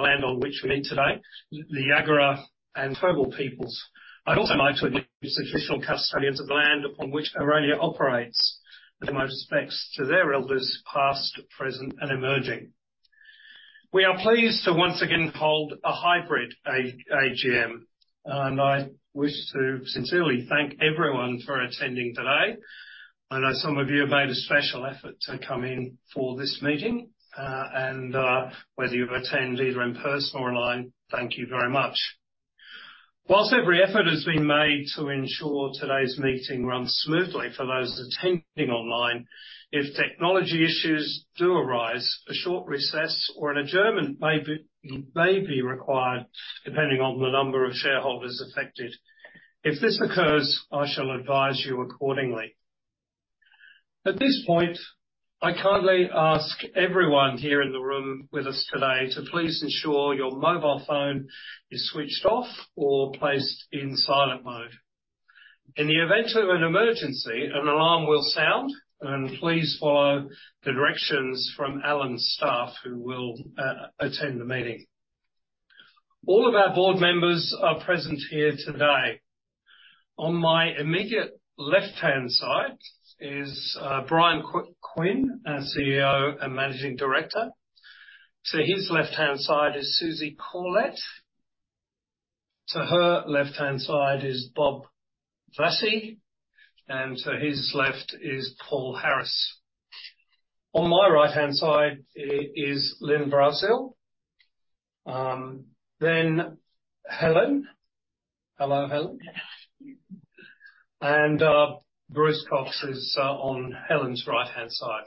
The land on which we meet today, the Jagera and Turrbal peoples. I'd also like to acknowledge the traditional custodians of the land upon which Aurelia operates, and my respects to their elders, past, present, and emerging. We are pleased to once again hold a hybrid AGM, and I wish to sincerely thank everyone for attending today. I know some of you have made a special effort to come in for this meeting. Whether you've attended either in person or online, thank you very much. While every effort has been made to ensure today's meeting runs smoothly for those attending online, if technology issues do arise, a short recess or an adjournment may be required depending on the number of shareholders affected. If this occurs, I shall advise you accordingly. At this point, I kindly ask everyone here in the room with us today to please ensure your mobile phone is switched off or placed in silent mode. In the event of an emergency, an alarm will sound, and please follow the directions from Allens staff, who will attend the meeting. All of our board members are present here today. On my immediate left-hand side is Bryan Quinn, our CEO and Managing Director. To his left-hand side is Susie Corlett. To her left-hand side is Bob Vassie, and to his left is Paul Harris. On my right-hand side is Lyn Brazil. Then Helen. Hello, Helen. Bruce Cox is on Helen's right-hand side.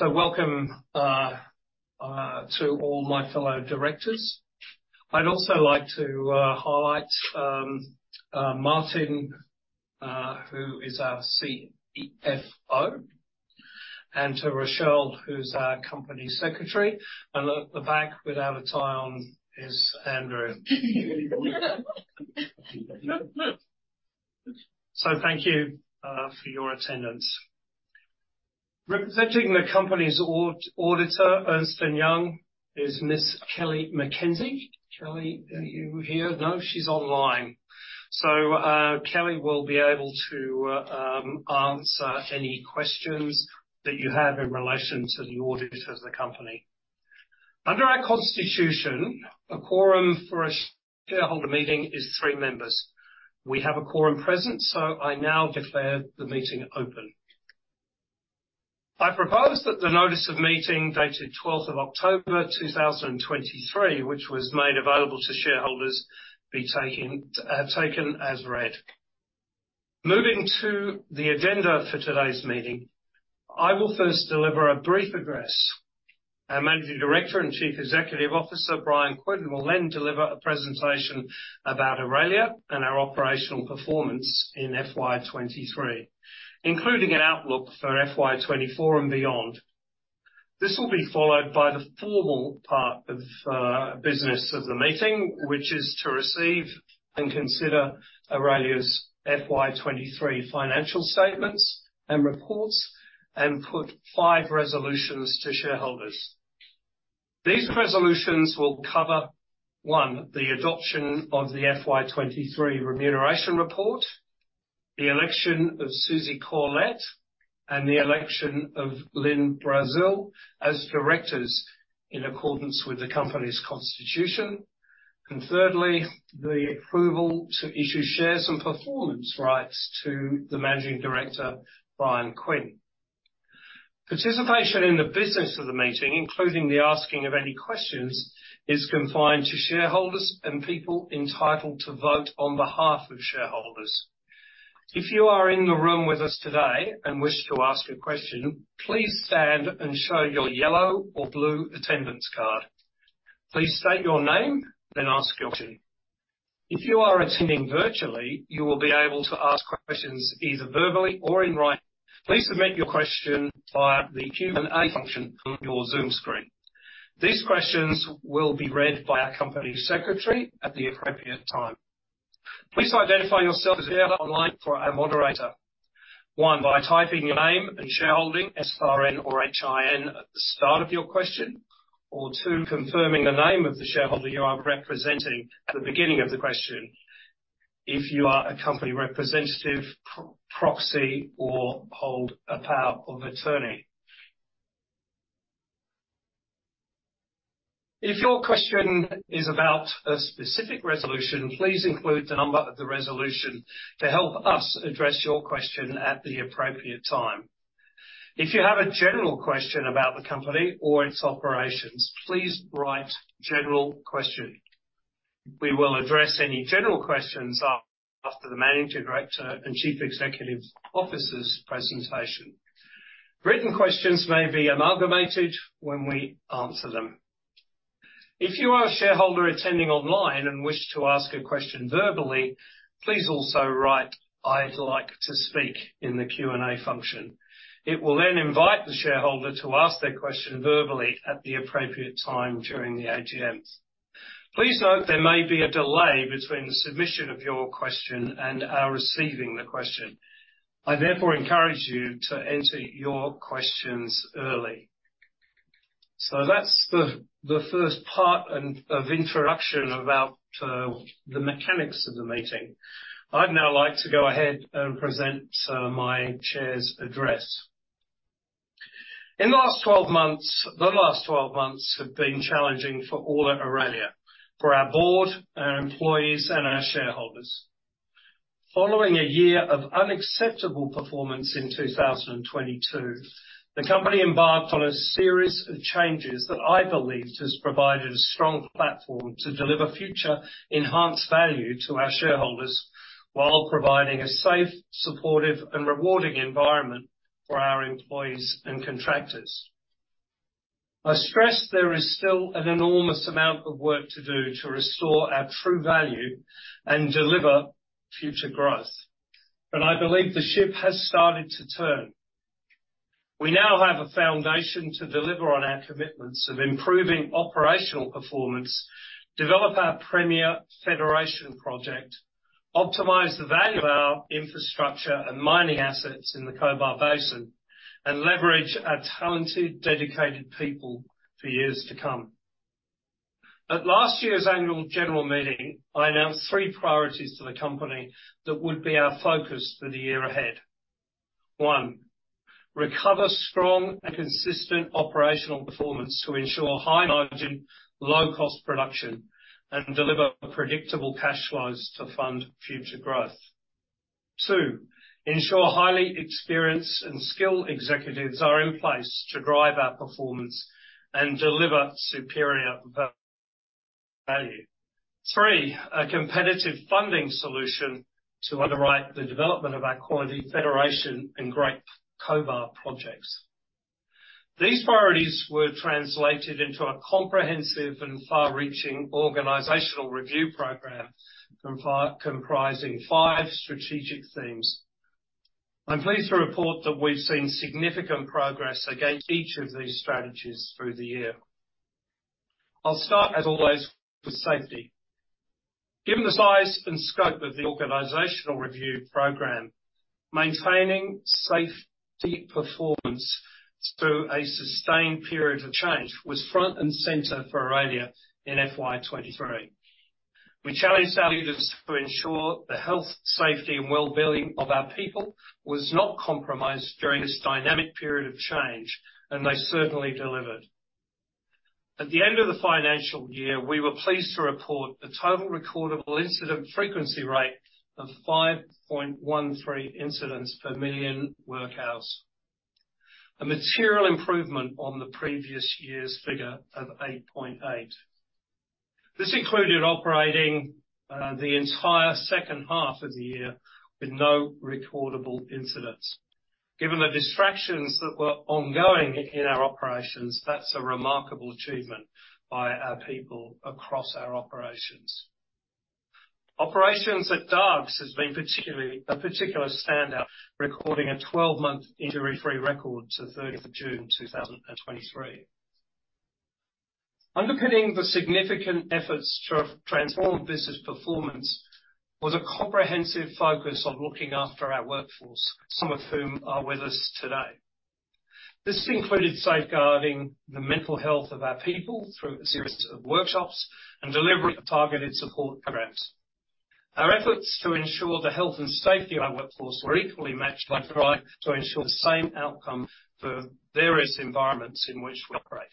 Welcome to all my fellow directors. I'd also like to highlight Martin, who is our CFO, and to Rochelle, who's our company secretary, and at the back without a tie on is Andrew. So thank you for your attendance. Representing the company's auditor, Ernst & Young, is Miss Kelly McKenzie. Kelly, are you here? No, she's online. So, Kelly will be able to answer any questions that you have in relation to the audit of the company. Under our constitution, a quorum for a shareholder meeting is three members. We have a quorum present, so I now declare the meeting open. I propose that the notice of meeting, dated twelfth of October, two thousand and twenty-three, which was made available to shareholders, be taken as read. Moving to the agenda for today's meeting, I will first deliver a brief address. Our Managing Director and Chief Executive Officer, Bryan Quinn, will then deliver a presentation about Aurelia and our operational performance in FY23, including an outlook for FY24 and beyond. This will be followed by the formal part of business of the meeting, which is to receive and consider Aurelia's FY23 financial statements and reports and put 5 resolutions to shareholders. These resolutions will cover, one, the adoption of the FY23 remuneration report, the election of Susie Corlett, and the election of Lyn Brazil as directors in accordance with the company's constitution. And thirdly, the approval to issue shares and performance rights to the Managing Director, Bryan Quinn. Participation in the business of the meeting, including the asking of any questions, is confined to shareholders and people entitled to vote on behalf of shareholders. If you are in the room with us today and wish to ask a question, please stand and show your yellow or blue attendance card. Please state your name, then ask your question. If you are attending virtually, you will be able to ask questions either verbally or in writing. Please submit your question via the Q&A function on your Zoom screen. These questions will be read by our company secretary at the appropriate time. Please identify yourself as online for our moderator, one, by typing your name and shareholding, SRN or HIN at the start of your question, or two, confirming the name of the shareholder you are representing at the beginning of the question if you are a company representative, proxy, or hold a power of attorney. If your question is about a specific resolution, please include the number of the resolution to help us address your question at the appropriate time. If you have a general question about the company or its operations, please write "General question." We will address any general questions after the Managing Director and Chief Executive Officer’s presentation. Written questions may be amalgamated when we answer them. If you are a shareholder attending online and wish to ask a question verbally, please also write, "I'd like to speak," in the Q&A function. It will then invite the shareholder to ask their question verbally at the appropriate time during the AGM.... Please note, there may be a delay between the submission of your question and our receiving the question. I, therefore, encourage you to enter your questions early. So that's the first part and of introduction about the mechanics of the meeting. I'd now like to go ahead and present my chair's address. In the last twelve months, the last twelve months have been challenging for all at Aurelia, for our board, our employees, and our shareholders. Following a year of unacceptable performance in 2022, the company embarked on a series of changes that I believe has provided a strong platform to deliver future enhanced value to our shareholders, while providing a safe, supportive, and rewarding environment for our employees and contractors. I stress there is still an enormous amount of work to do to restore our true value and deliver future growth, but I believe the ship has started to turn. We now have a foundation to deliver on our commitments of improving operational performance, develop our premier Federation project, optimize the value of our infrastructure and mining assets in the Cobar Basin, and leverage our talented, dedicated people for years to come. At last year's annual general meeting, I announced three priorities to the company that would be our focus for the year ahead. One, recover strong and consistent operational performance to ensure high margin, low-cost production, and deliver predictable cash flows to fund future growth. Two, ensure highly experienced and skilled executives are in place to drive our performance and deliver superior value. Three, a competitive funding solution to underwrite the development of our quality Federation and Great Cobar projects. These priorities were translated into a comprehensive and far-reaching organizational review program, comprising five strategic themes. I'm pleased to report that we've seen significant progress against each of these strategies through the year. I'll start, as always, with safety. Given the size and scope of the organizational review program, maintaining safety performance through a sustained period of change was front and center for Aurelia in FY23. We challenged our leaders to ensure the health, safety, and well-being of our people was not compromised during this dynamic period of change, and they certainly delivered. At the end of the financial year, we were pleased to report a total recordable incident frequency rate of 5.13 incidents per million work hours, a material improvement on the previous year's figure of 8.8. This included operating the entire second half of the year with no recordable incidents. Given the distractions that were ongoing in our operations, that's a remarkable achievement by our people across our operations. Operations at Dargues has been particularly a particular standout, recording a 12-month injury-free record to the 3rd of June 2023. Underpinning the significant efforts to transform business performance was a comprehensive focus on looking after our workforce, some of whom are with us today. This included safeguarding the mental health of our people through a series of workshops and delivering targeted support programs. Our efforts to ensure the health and safety of our workforce were equally matched by trying to ensure the same outcome for various environments in which we operate.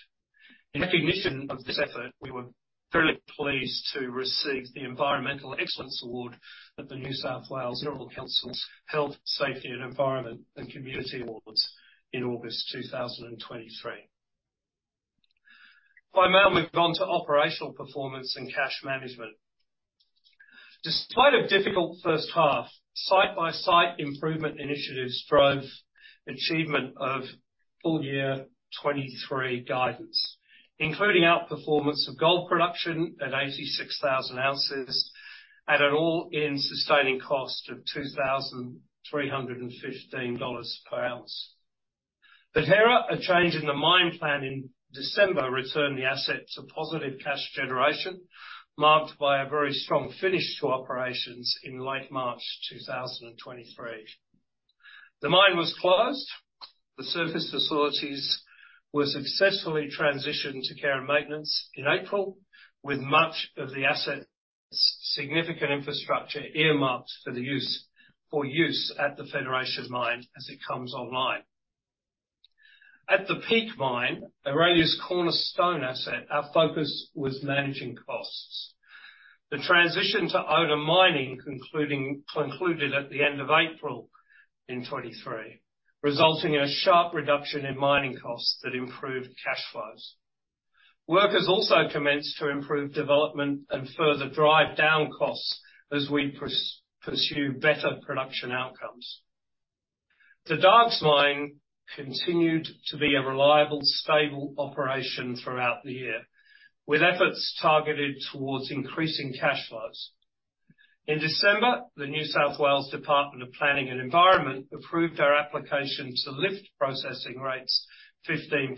In recognition of this effort, we were very pleased to receive the Environmental Excellence Award at the New South Wales Minerals Council's Health, Safety and Environment and Community Awards in August 2023. I may now move on to operational performance and cash management. Despite a difficult first half, site-by-site improvement initiatives drove achievement of full year 2023 guidance, including outperformance of gold production at 86,000 ounces at an all-in sustaining cost of 2,315 dollars per ounce. At Hera, a change in the mine plan in December returned the asset to positive cash generation, marked by a very strong finish to operations in late March 2023. The mine was closed, the surface facilities were successfully transitioned to care and maintenance in April, with much of the asset's significant infrastructure earmarked for use at the Federation Mine as it comes online. At the Peak Mine, Aurelia's cornerstone asset, our focus was managing costs. The transition to auto mining concluded at the end of April 2023, resulting in a sharp reduction in mining costs that improved cash flows. Workers also commenced to improve development and further drive down costs as we pursue better production outcomes. The Dargues Mine continued to be a reliable, stable operation throughout the year, with efforts targeted towards increasing cash flows. In December, the New South Wales Department of Planning and Environment approved our application to lift processing rates 15%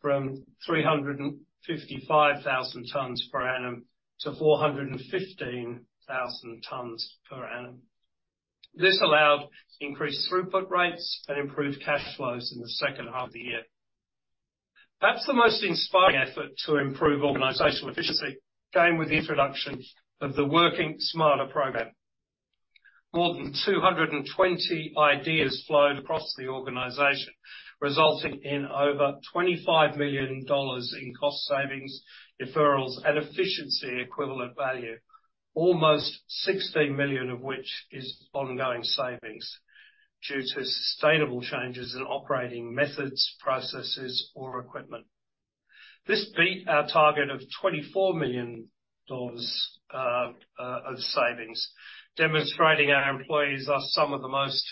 from 355,000 tons per annum to 415,000 tons per annum. This allowed increased throughput rates and improved cash flows in the second half of the year. Perhaps the most inspiring effort to improve organizational efficiency came with the introduction of the Working Smarter program. More than 220 ideas flowed across the organization, resulting in over 25 million dollars in cost savings, referrals, and efficiency equivalent value, almost 16 million of which is ongoing savings due to sustainable changes in operating methods, processes, or equipment. This beat our target of 24 million dollars of savings, demonstrating our employees are some of the most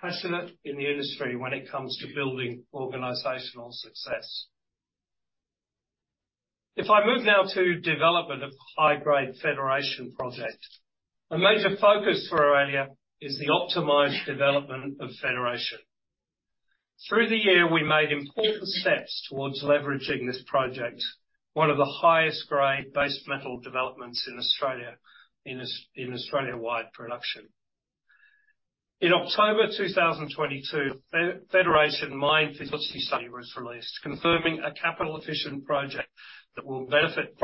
passionate in the industry when it comes to building organizational success. If I move now to development of high-grade Federation project, a major focus for Aurelia is the optimized development of Federation. Through the year, we made important steps towards leveraging this project, one of the highest grade base metal developments in Australia, in Australia-wide production. In October 2022, Federation Mine Feasibility Study was released, confirming a capital-efficient project that will benefit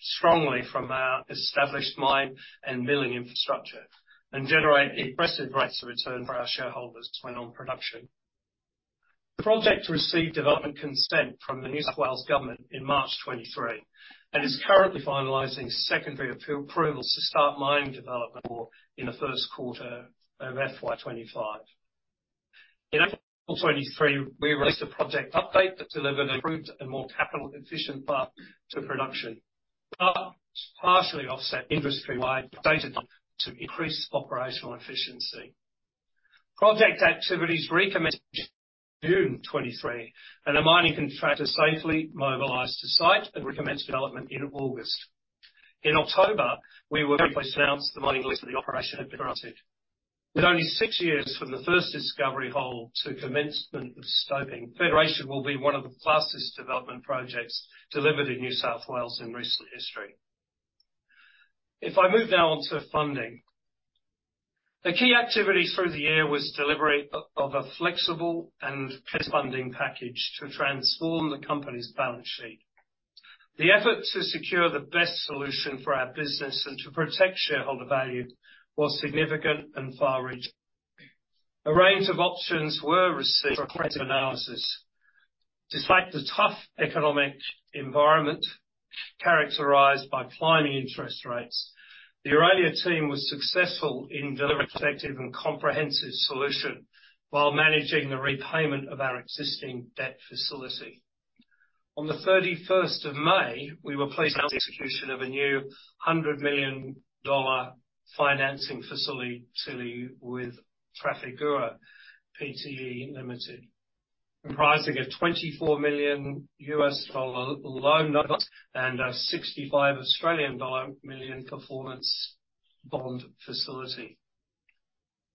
strongly from our established mine and milling infrastructure and generate impressive rates of return for our shareholders when on production. The project received development consent from the New South Wales government in March 2023, and is currently finalizing secondary approval to start mine development more in the first quarter of FY25. In April 2023, we released a project update that delivered improved and more capital-efficient path to production, partially offset industry-wide data to increase operational efficiency. Project activities recommenced June 2023, and the mining contractor safely mobilized to site and commenced development in August. In October, we were pleased to announce the mining lease of the operation had been granted. With only six years from the first discovery hole to commencement of stoping, Federation will be one of the fastest development projects delivered in New South Wales in recent history. If I move now on to funding, the key activities through the year was delivery of a flexible and funding package to transform the company's balance sheet. The effort to secure the best solution for our business and to protect shareholder value was significant and far-reaching. A range of options were received for credit analysis. Despite the tough economic environment characterized by climbing interest rates, the Aurelia team was successful in delivering effective and comprehensive solution while managing the repayment of our existing debt facility. On the 31st of May, we were pleased with the execution of a new 100 million dollar financing facility with Trafigura Pte. Ltd., comprising a $24 million U.S. dollar loan note and a 65 million Australian dollar performance bond facility.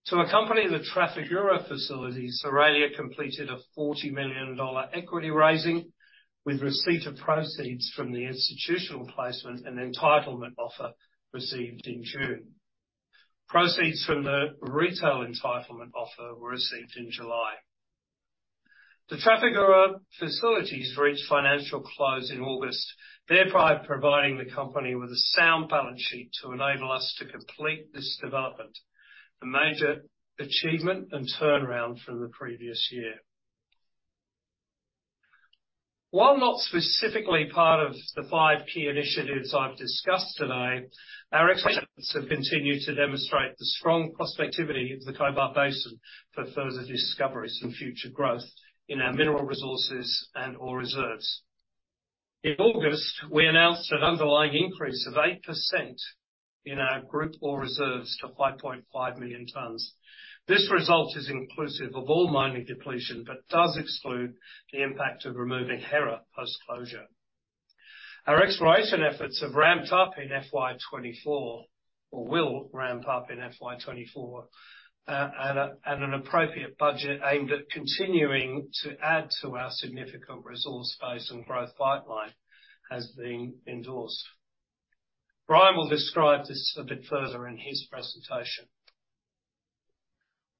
To accompany the Trafigura facilities, Aurelia completed a 40 million dollar equity raising with receipt of proceeds from the institutional placement and entitlement offer received in June. Proceeds from the retail entitlement offer were received in July. The Trafigura facilities reached financial close in August, thereby providing the company with a sound balance sheet to enable us to complete this development, a major achievement and turnaround from the previous year. While not specifically part of the five key initiatives I've discussed today, our have continued to demonstrate the strong prospectivity of the Cobar Basin for further discoveries and future growth in our mineral resources and ore reserves. In August, we announced an underlying increase of 8% in our group ore reserves to 5.5 million tons. This result is inclusive of all mining depletion, but does exclude the impact of removing Hera post-closure. Our exploration efforts have ramped up in FY 2024, or will ramp up in FY 2024, at an appropriate budget aimed at continuing to add to our significant resource base and growth pipeline has been endorsed. Bryan will describe this a bit further in his presentation.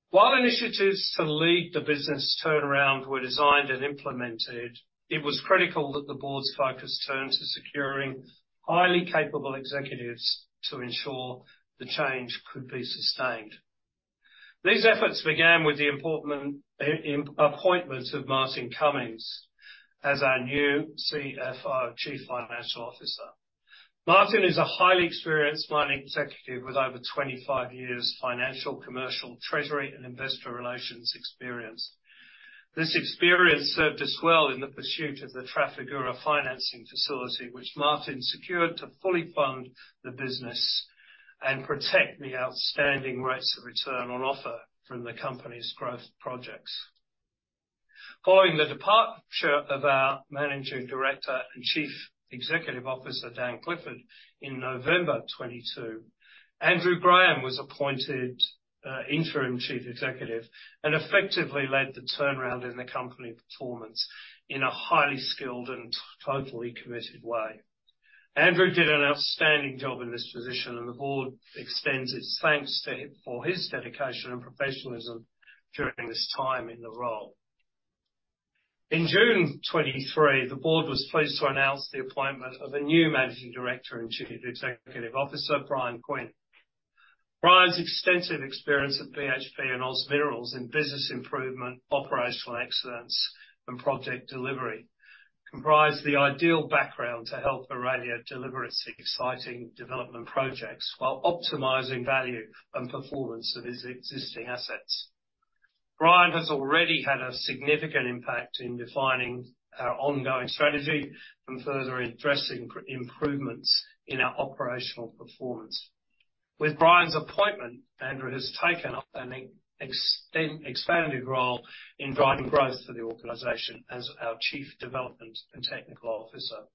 While initiatives to lead the business turnaround were designed and implemented, it was critical that the board's focus turn to securing highly capable executives to ensure the change could be sustained. These efforts began with the appointment of Martin Cummings as our new CFO, Chief Financial Officer. Martin is a highly experienced mining executive with over 25 years financial, commercial, treasury, and investor relations experience. This experience served us well in the pursuit of the Trafigura financing facility, which Martin secured to fully fund the business and protect the outstanding rates of return on offer from the company's growth projects. Following the departure of our Managing Director and Chief Executive Officer, Dan Clifford, in November 2022, Andrew Graham was appointed Interim Chief Executive and effectively led the turnaround in the company performance in a highly skilled and totally committed way. Andrew did an outstanding job in this position, and the board extends its thanks to him for his dedication and professionalism during his time in the role. In June 2023, the board was pleased to announce the appointment of a new Managing Director and Chief Executive Officer, Bryan Quinn. Bryan's extensive experience at BHP and OZ Minerals in business improvement, operational excellence, and project delivery, comprise the ideal background to help Aurelia deliver its exciting development projects, while optimizing value and performance of its existing assets. Bryan has already had a significant impact in defining our ongoing strategy and further addressing improvements in our operational performance. With Bryan's appointment, Andrew has taken up an expanded role in driving growth for the organization as our Chief Development and Technical Officer.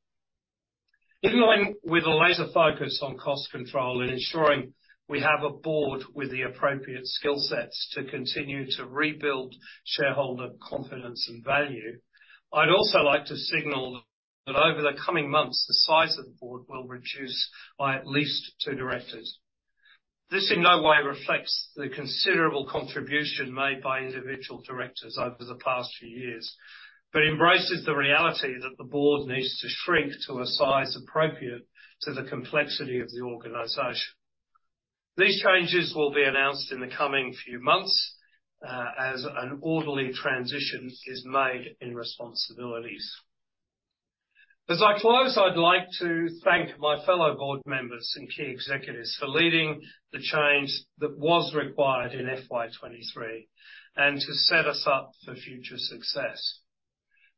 In line with a laser focus on cost control and ensuring we have a board with the appropriate skill sets to continue to rebuild shareholder confidence and value, I'd also like to signal that over the coming months, the size of the board will reduce by at least two directors. This in no way reflects the considerable contribution made by individual directors over the past few years, but embraces the reality that the board needs to shrink to a size appropriate to the complexity of the organization. These changes will be announced in the coming few months, as an orderly transition is made in responsibilities. As I close, I'd like to thank my fellow board members and key executives for leading the change that was required in FY23 and to set us up for future success.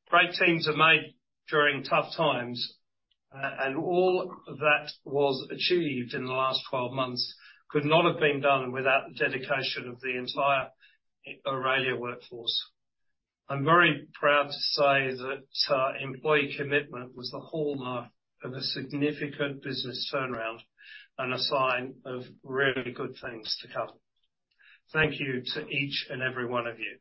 Great teams are made during tough times, and all that was achieved in the last 12 months could not have been done without the dedication of the entire Aurelia workforce. I'm very proud to say that, employee commitment was the hallmark of a significant business turnaround and a sign of really good things to come. Thank you to each and every one of you.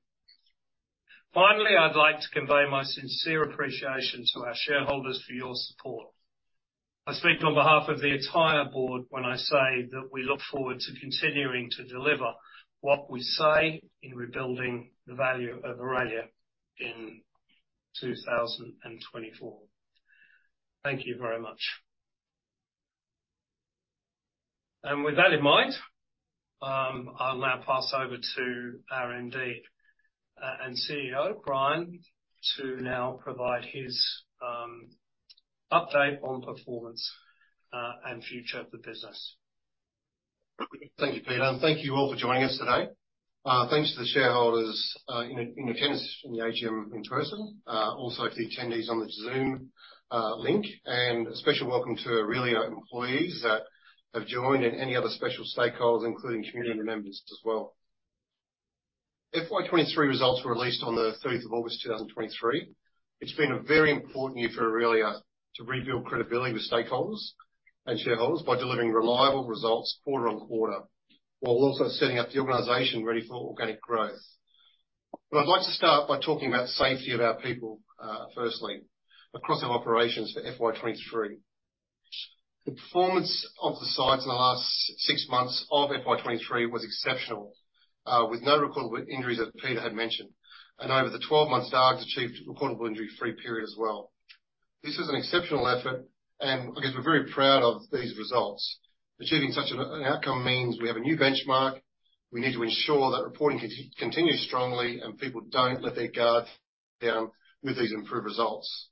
Finally, I'd like to convey my sincere appreciation to our shareholders for your support. I speak on behalf of the entire board when I say that we look forward to continuing to deliver what we say in rebuilding the value of Aurelia in 2024. Thank you very much. And with that in mind, I'll now pass over to our MD and CEO, Bryan, to now provide his update on performance and future of the business. Thank you, Peter, and thank you all for joining us today. Thanks to the shareholders in attendance in the AGM in person, also to the attendees on the Zoom link, and a special welcome to Aurelia employees that have joined, and any other special stakeholders, including community members as well. FY23 results were released on August 3, 2023. It's been a very important year for Aurelia to rebuild credibility with stakeholders and shareholders by delivering reliable results quarter on quarter, while also setting up the organization ready for organic growth. But I'd like to start by talking about safety of our people, firstly, across our operations for FY23. The performance of the sites in the last six months of FY23 was exceptional, with no recordable injuries, as Peter had mentioned, and over the twelve months, Dargues has achieved a recordable injury-free period as well. This is an exceptional effort, and I guess we're very proud of these results. Achieving such an outcome means we have a new benchmark. We need to ensure that reporting continues strongly and people don't let their guard down with these improved results.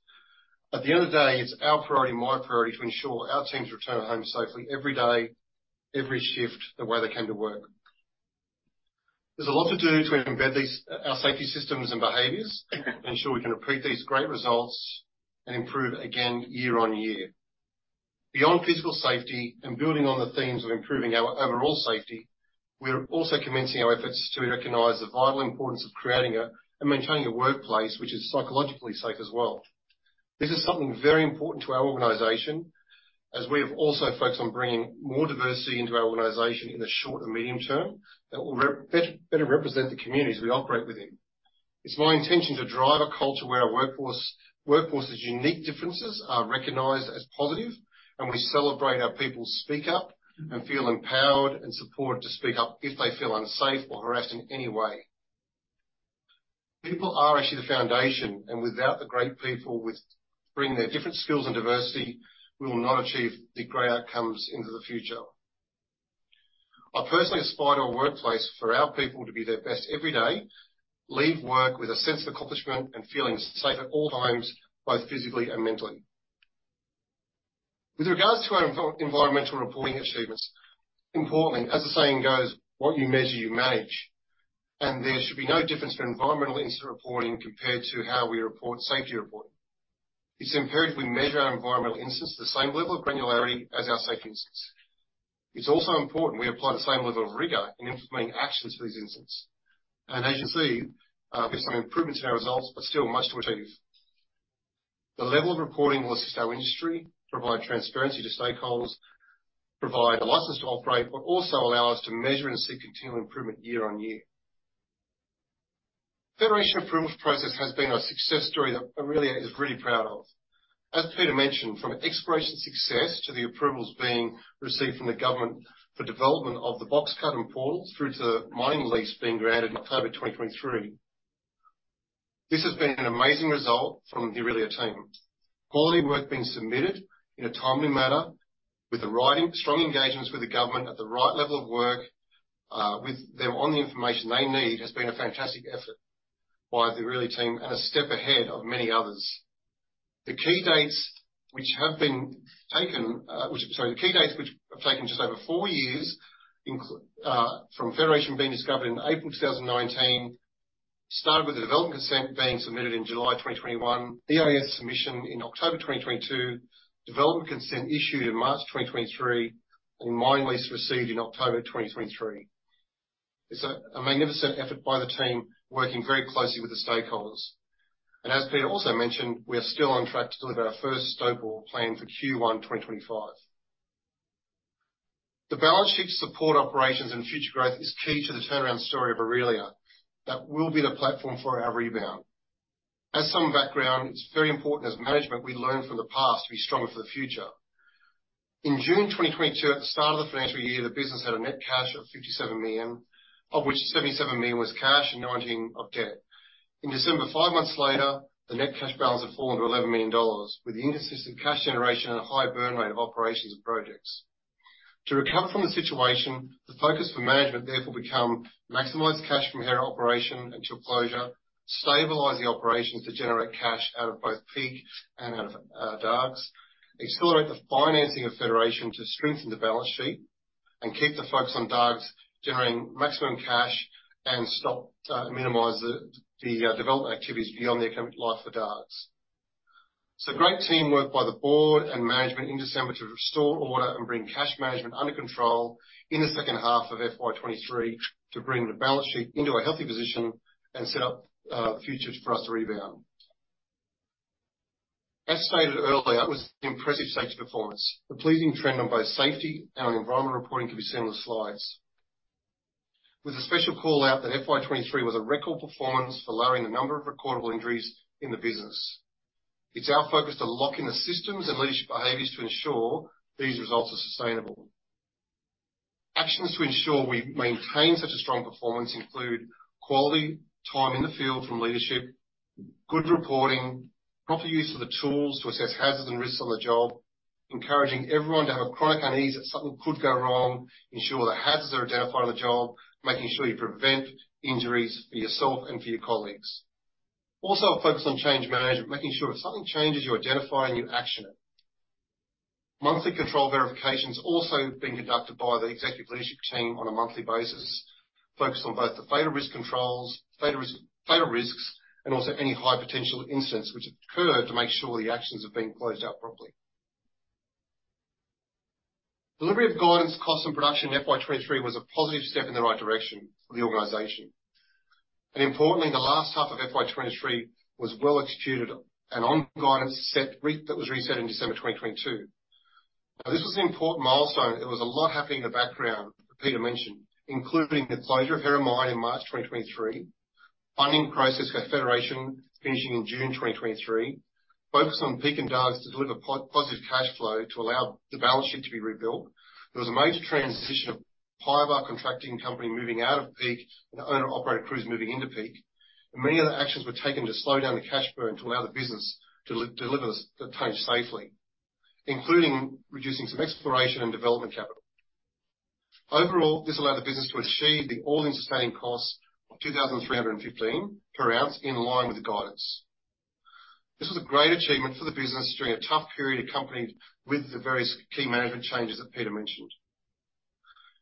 At the end of the day, it's our priority, my priority, to ensure our teams return home safely every day, every shift, the way they come to work. There's a lot to do to embed these, our safety systems and behaviors, ensure we can repeat these great results and improve again year on year. Beyond physical safety and building on the themes of improving our overall safety, we are also commencing our efforts to recognize the vital importance of creating and maintaining a workplace which is psychologically safe as well. This is something very important to our organization as we have also focused on bringing more diversity into our organization in the short and medium term that will better represent the communities we operate within. It's my intention to drive a culture where our workforce's unique differences are recognized as positive, and we celebrate our people speak up and feel empowered and supported to speak up if they feel unsafe or harassed in any way. People are actually the foundation, and without the great people bringing their different skills and diversity, we will not achieve the great outcomes into the future. I personally aspire to a workplace for our people to be their best every day, leave work with a sense of accomplishment and feeling safe at all times, both physically and mentally. With regards to our environmental reporting achievements, importantly, as the saying goes, "What you measure, you manage," and there should be no difference for environmental incident reporting compared to how we report safety reporting. It's imperative we measure our environmental instance the same level of granularity as our safe instance. It's also important we apply the same level of rigor in implementing actions for these incidents. And as you see, we have some improvements in our results, but still much to achieve. The level of reporting will assist our industry, provide transparency to stakeholders, provide a license to operate, but also allow us to measure and seek continual improvement year-on-year. Federation approval process has been a success story that Aurelia is really proud of. As Peter mentioned, from exploration success to the approvals being received from the government for development of the box cut and portals, through to the mining lease being granted in October 2023. This has been an amazing result from the Aurelia team. Quality work being submitted in a timely manner with the right strong engagements with the government at the right level of work, with them on the information they need, has been a fantastic effort by the Aurelia team and a step ahead of many others. The key dates which have taken just over 4 years, from Federation being discovered in April 2019, started with the development consent being submitted in July 2021, EIS submission in October 2022, development consent issued in March 2023, and mining lease received in October 2023. It's a magnificent effort by the team, working very closely with the stakeholders. And as Peter also mentioned, we are still on track to deliver our first stope wall planned for Q1 2025. The balance sheet support operations and future growth is key to the turnaround story of Aurelia. That will be the platform for our rebound. As some background, it's very important as management, we learn from the past to be stronger for the future. In June 2022, at the start of the financial year, the business had a net cash of 57 million, of which 77 million was cash and 19 million of debt. In December, five months later, the net cash balance had fallen to 11 million dollars, with the inconsistent cash generation and a high burn rate of operations and projects. To recover from the situation, the focus for management therefore become maximize cash from Hera operation until closure, stabilize the operations to generate cash out of both Peak and out of Dargues. Accelerate the financing of Federation to strengthen the balance sheet, and keep the focus on Dargues, generating maximum cash and stop minimize the development activities beyond the economic life of Dargues. So great teamwork by the board and management in December to restore order and bring cash management under control in the second half of FY23 to bring the balance sheet into a healthy position and set up futures for us to rebound. As stated earlier, it was an impressive safety performance. The pleasing trend on both safety and our environment reporting can be seen on the slides. With a special call-out that FY23 was a record performance for lowering the number of recordable injuries in the business. It's our focus to lock in the systems and leadership behaviors to ensure these results are sustainable. Actions to ensure we maintain such a strong performance include quality time in the field from leadership, good reporting, proper use of the tools to assess hazards and risks on the job, encouraging everyone to have a chronic unease that something could go wrong, ensure the hazards are identified on the job, making sure you prevent injuries for yourself and for your colleagues. Also, a focus on change management, making sure if something changes, you identify and you action it. Monthly control verifications also being conducted by the executive leadership team on a monthly basis, focused on both the fatal risk controls, fatal risk, fatal risks, and also any high potential incidents which occur to make sure the actions are being closed out properly. Delivery of guidance, costs, and production in FY23 was a positive step in the right direction for the organization. Importantly, the last half of FY 2023 was well executed and on guidance set, that was reset in December 2022. Now, this was an important milestone. There was a lot happening in the background, Peter mentioned, including the closure of Hera Mine in March 2023, funding process for Federation finishing in June 2023, focus on Peak and Dargues to deliver positive cash flow to allow the balance sheet to be rebuilt. There was a major transition of PYBAR contracting company moving out of Peak, and the owner operator crews moving into Peak. And many other actions were taken to slow down the cash burn to allow the business to deliver the change safely, including reducing some exploration and development capital. Overall, this allowed the business to achieve the all-in sustaining costs of 2,315 per ounce, in line with the guidance. This was a great achievement for the business during a tough period, accompanied with the various key management changes that Peter mentioned.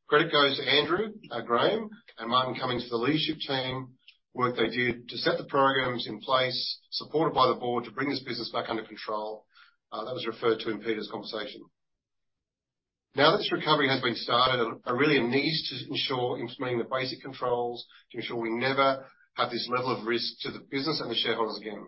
Credit goes to Andrew Graham, and Martin coming to the leadership team, work they did to set the programs in place, supported by the board to bring this business back under control. That was referred to in Peter's conversation. Now that this recovery has been started, Aurelia needs to ensure implementing the basic controls to ensure we never have this level of risk to the business and the shareholders again.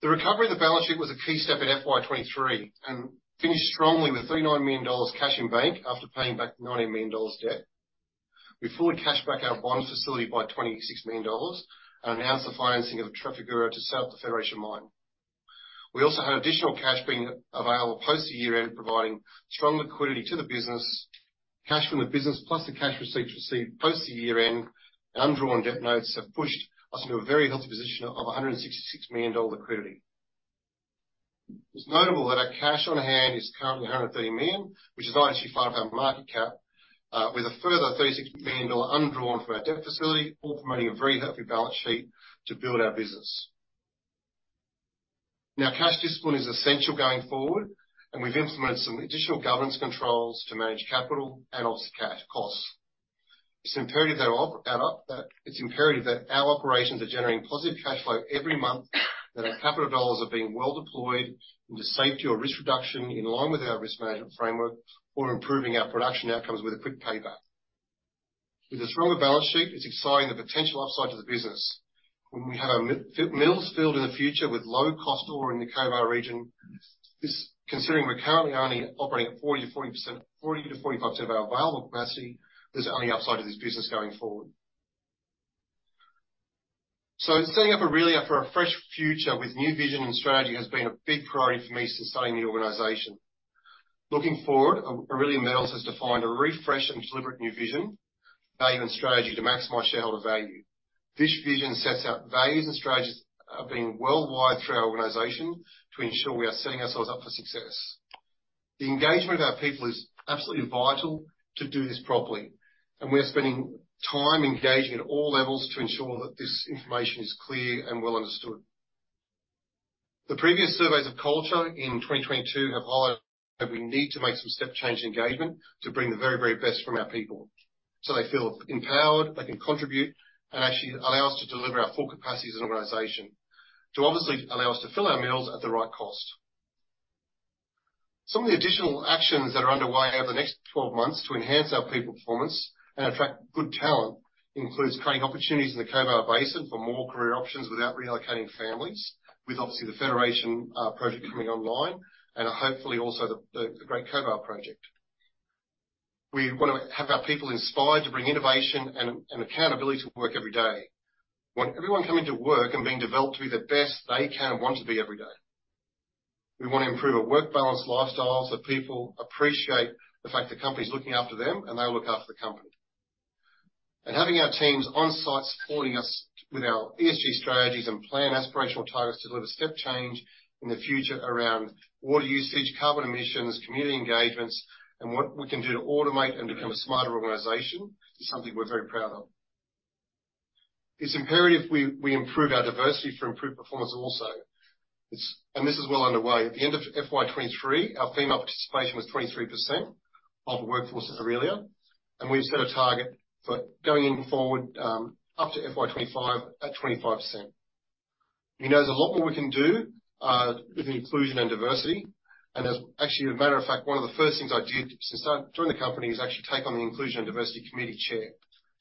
The recovery of the balance sheet was a key step in FY23, and finished strongly with 39 million dollars cash in bank after paying back 90 million dollars debt. We fully cashed back our bond facility by 26 million dollars and announced the financing of Trafigura to set up the Federation Mine. We also had additional cash being available post the year-end, providing strong liquidity to the business. Cash from the business, plus the cash receipts received post the year-end and undrawn debt notes, have pushed us into a very healthy position of 166 million dollar liquidity. It's notable that our cash on hand is currently 180 million, which is actually 5 times our market cap, with a further 36 million dollar undrawn from our debt facility, all promoting a very healthy balance sheet to build our business. Now, cash discipline is essential going forward, and we've implemented some additional governance controls to manage capital and also costs. It's imperative that our operations are generating positive cash flow every month, that our capital dollars are being well deployed into safety or risk reduction, in line with our risk management framework, or improving our production outcomes with a quick payback. With a stronger balance sheet, it's exciting the potential upside to the business. When we have our mills filled in the future with low cost ore in the Cobar region, this, considering we're currently only operating at 40%-45% of our available capacity, there's only upside to this business going forward. So setting up Aurelia for a fresh future with new vision and strategy has been a big priority for me since starting the organization. Looking forward, Aurelia Metals has defined a refreshed and deliberate new vision, value, and strategy to maximize shareholder value. This vision sets out values and strategies, being worldwide through our organization to ensure we are setting ourselves up for success. The engagement of our people is absolutely vital to do this properly, and we are spending time engaging at all levels to ensure that this information is clear and well understood. The previous surveys of culture in 2022 have highlighted that we need to make some step change engagement to bring the very, very best from our people, so they feel empowered, they can contribute, and actually allow us to deliver our full capacity as an organization, to obviously allow us to fill our mills at the right cost. Some of the additional actions that are underway over the next 12 months to enhance our people performance and attract good talent, includes creating opportunities in the Cobar Basin for more career options without relocating families, with obviously the Federation project coming online and hopefully also the Great Cobar project. We want to have our people inspired to bring innovation and accountability to work every day. We want everyone coming to work and being developed to be the best they can and want to be every day. We want to improve our work-balance lifestyle, so people appreciate the fact the company's looking after them, and they look after the company. Having our teams on site supporting us with our ESG strategies and plan aspirational targets to deliver step change in the future around water usage, carbon emissions, community engagements, and what we can do to automate and become a smarter organization, is something we're very proud of. It's imperative we improve our diversity for improved performance also. It's. This is well underway. At the end of FY23, our female participation was 23% of the workforce at Aurelia, and we've set a target for going forward up to FY25, at 25%. We know there's a lot more we can do with inclusion and diversity, and as actually, a matter of fact, one of the first things I did since I joined the company, is actually take on the inclusion and diversity committee chair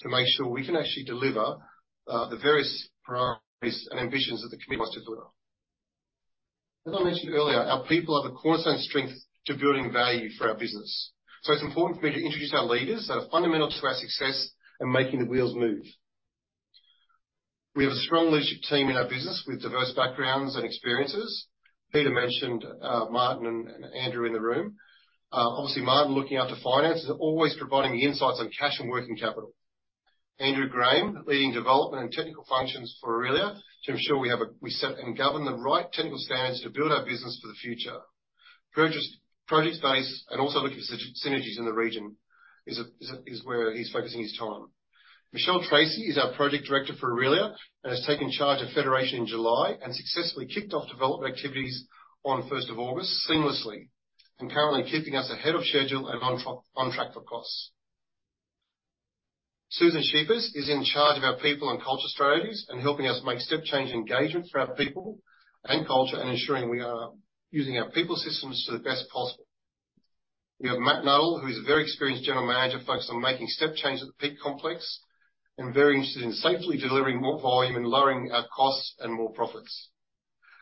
to make sure we can actually deliver the various priorities and ambitions that the committee wants to deliver. As I mentioned earlier, our people are the cornerstone strength to building value for our business, so it's important for me to introduce our leaders that are fundamental to our success in making the wheels move. We have a strong leadership team in our business with diverse backgrounds and experiences. Peter mentioned Martin and, and Andrew in the room. Obviously, Martin, looking after finance, is always providing the insights on cash and working capital. Andrew Graham, leading development and technical functions for Aurelia, to ensure we have we set and govern the right technical standards to build our business for the future. Purchasing, project base and also looking for synergies in the region is where he's focusing his time. Michelle Tracy is our Project Director for Aurelia, and has taken charge of Federation in July, and successfully kicked off development activities on first of August seamlessly, and currently keeping us ahead of schedule and on track for costs. Susan Scheepers is in charge of our people and culture strategies, and helping us make step change engagement for our people and culture, and ensuring we are using our people systems to the best possible. We have Matt Noel, who is a very experienced general manager focused on making step changes at the Peak complex, and very interested in safely delivering more volume and lowering our costs and more profits.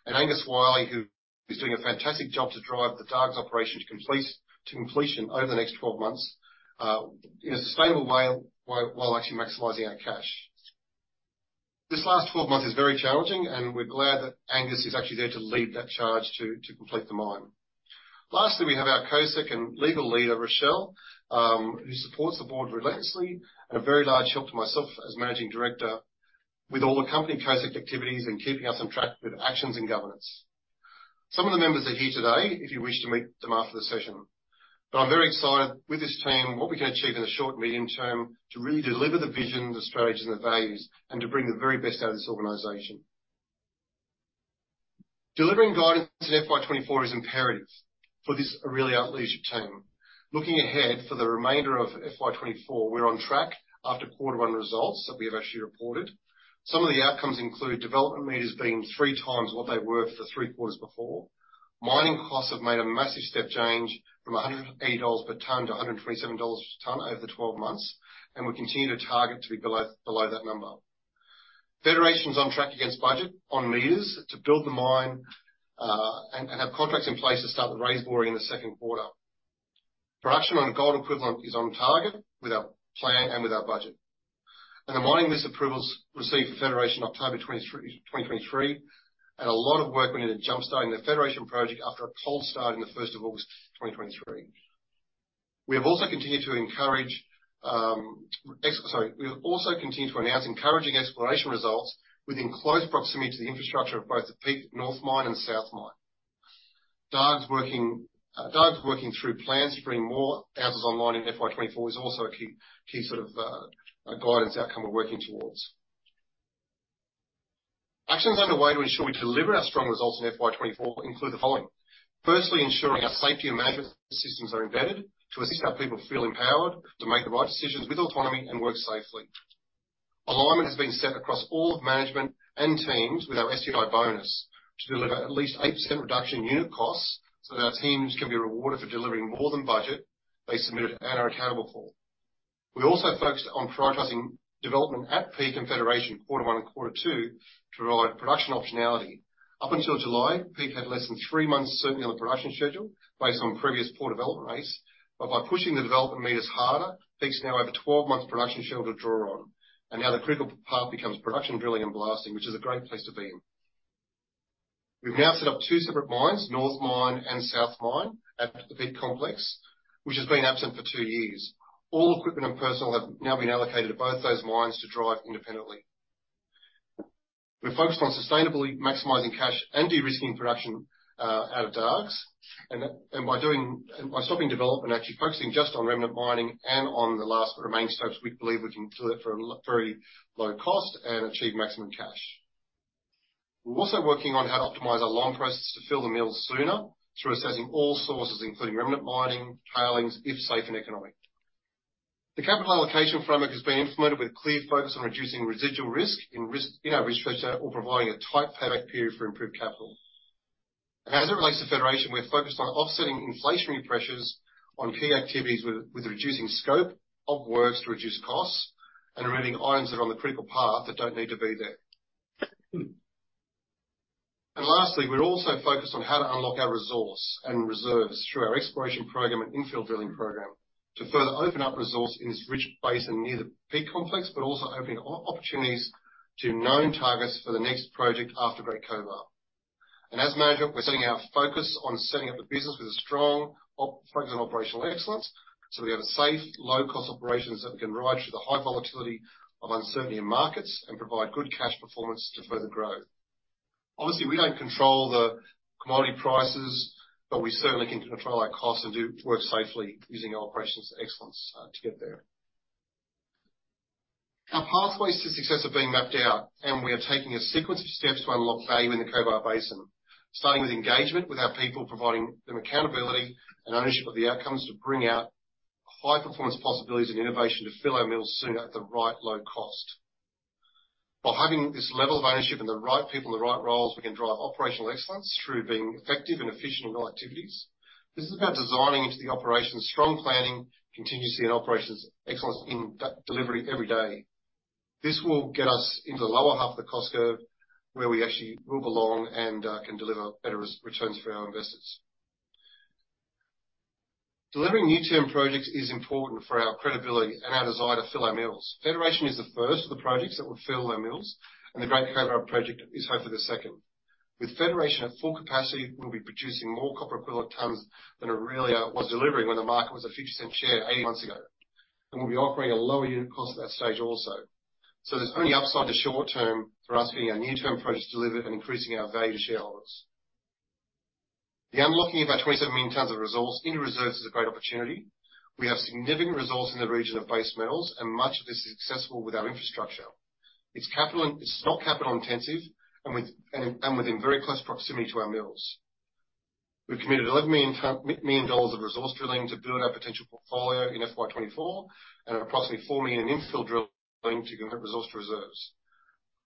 And Angus Wyllie, who is doing a fantastic job to drive the Dargues operation to completion over the next 12 months in a sustainable way, while actually maximizing our cash. This last 12 months is very challenging, and we're glad that Angus is actually there to lead that charge to complete the mine. Lastly, we have our COSEC and legal leader, Rochelle, who supports the board relentlessly, and a very large help to myself as managing director, with all the company COSEC activities and keeping us on track with actions and governance. Some of the members are here today, if you wish to meet them after the session. But I'm very excited with this team, what we can achieve in the short, medium term to really deliver the vision, the strategies, and the values, and to bring the very best out of this organization. Delivering guidance in FY 2024 is imperative for this Aurelia leadership team. Looking ahead for the remainder of FY 2024, we're on track after quarter one results that we have actually reported. Some of the outcomes include development meters being 3 times what they were for the 3 quarters before. Mining costs have made a massive step change from 180 dollars per ton to 127 dollars per ton over the 12 months, and we continue to target to be below, below that number. Federation's on track against budget on meters to build the mine, and have contracts in place to start the raise boring in the second quarter. Production on gold equivalent is on target with our plan and with our budget. The mining lease approvals received for Federation October 2023, and a lot of work went into jumpstarting the Federation project after a cold start in the first of August 2023. We have also continued to announce encouraging exploration results within close proximity to the infrastructure of both the Peak North Mine and South Mine. Dargues is working through plans to bring more ounces online in FY 2024 is also a key sort of guidance outcome we're working towards. Actions underway to ensure we deliver our strong results in FY 2024 include the following: firstly, ensuring our safety and management systems are embedded to assist our people feel empowered to make the right decisions with autonomy and work safely. Alignment has been set across all of management and teams with our STI bonus to deliver at least 8% reduction in unit costs, so that our teams can be rewarded for delivering more than budget they submitted and are accountable for. We also focused on prioritizing development at Peak and Federation in Q1 and Q2 to provide production optionality. Up until July, Peak had less than 3 months certainty on the production schedule based on previous poor development rates. But by pushing the development meters harder, Peak's now over 12 months production schedule to draw on, and now the critical path becomes production, drilling, and blasting, which is a great place to be in. We've now set up two separate mines, North Mine and South Mine, at the Peak complex, which has been absent for 2 years. All equipment and personnel have now been allocated at both those mines to drive independently. We're focused on sustainably maximizing cash and de-risking production out of Dargues. And by stopping development, actually focusing just on remnant mining and on the last remaining stopes, we believe we can do it for a very low cost and achieve maximum cash. We're also working on how to optimize our long processes to fill the mills sooner through assessing all sources, including remnant mining, tailings, if safe and economic. The capital allocation framework has been implemented with a clear focus on reducing residual risk in risk, in our risk structure or providing a tight payback period for improved capital. And as it relates to Federation, we're focused on offsetting inflationary pressures on key activities with reducing scope of works to reduce costs and removing items that are on the critical path that don't need to be there. And lastly, we're also focused on how to unlock our resource and reserves through our exploration program and infill drilling program to further open up resource in this rich basin near the Peak complex, but also opening opportunities to known targets for the next project after Great Cobar. As management, we're setting our focus on setting up the business with a strong focus on operational excellence, so we have a safe, low-cost operations that we can ride through the high volatility of uncertainty in markets and provide good cash performance to further grow. Obviously, we don't control the commodity prices, but we certainly can control our costs and do work safely using our operations excellence to get there. Our pathways to success are being mapped out, and we are taking a sequence of steps to unlock value in the Cobar Basin. Starting with engagement with our people, providing them accountability and ownership of the outcomes to bring out high-performance possibilities and innovation to fill our mills sooner at the right low cost. By having this level of ownership and the right people in the right roles, we can drive operational excellence through being effective and efficient in all activities. This is about designing into the operations, strong planning, contingency, and operations excellence in that delivery every day. This will get us into the lower half of the cost curve, where we actually will belong and can deliver better returns for our investors. Delivering near-term projects is important for our credibility and our desire to fill our mills. Federation is the first of the projects that will fill our mills, and the Great Cobar project is hoped for the second. With Federation at full capacity, we'll be producing more copper equivalent tons than Aurelia was delivering when the market was a 0.50 share 80 months ago, and we'll be operating a lower unit cost at that stage also. So there's only upside to short term for us getting our near-term projects delivered and increasing our value to shareholders. The unlocking of our 27 million tons of resource into reserves is a great opportunity. We have significant resource in the region of base metals, and much of this is accessible with our infrastructure. It's not capital intensive and within very close proximity to our mills. We've committed 11 million dollars of resource drilling to build our potential portfolio in FY 2024 and approximately 4 million in infill drilling to convert resource to reserves.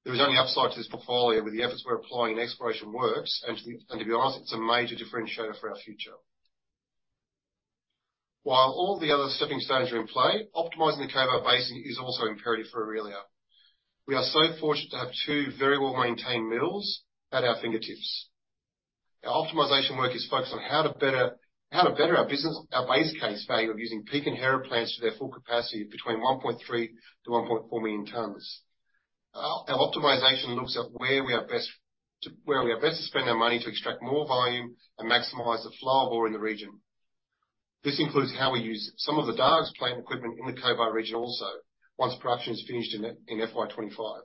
There is only upside to this portfolio with the efforts we're applying in exploration works, and to be honest, it's a major differentiator for our future. While all the other stepping stones are in play, optimizing the Cobar Basin is also imperative for Aurelia. We are so fortunate to have two very well-maintained mills at our fingertips. Our optimization work is focused on how to better, how to better our business, our base case value of using Peak and Hera plants to their full capacity between 1.3-1.4 million tons. Our optimization looks at where we are best to where we are best to spend our money to extract more volume and maximize the flow of ore in the region. This includes how we use some of the Dargues plant equipment in the Cobar region also, once production is finished in FY 2025.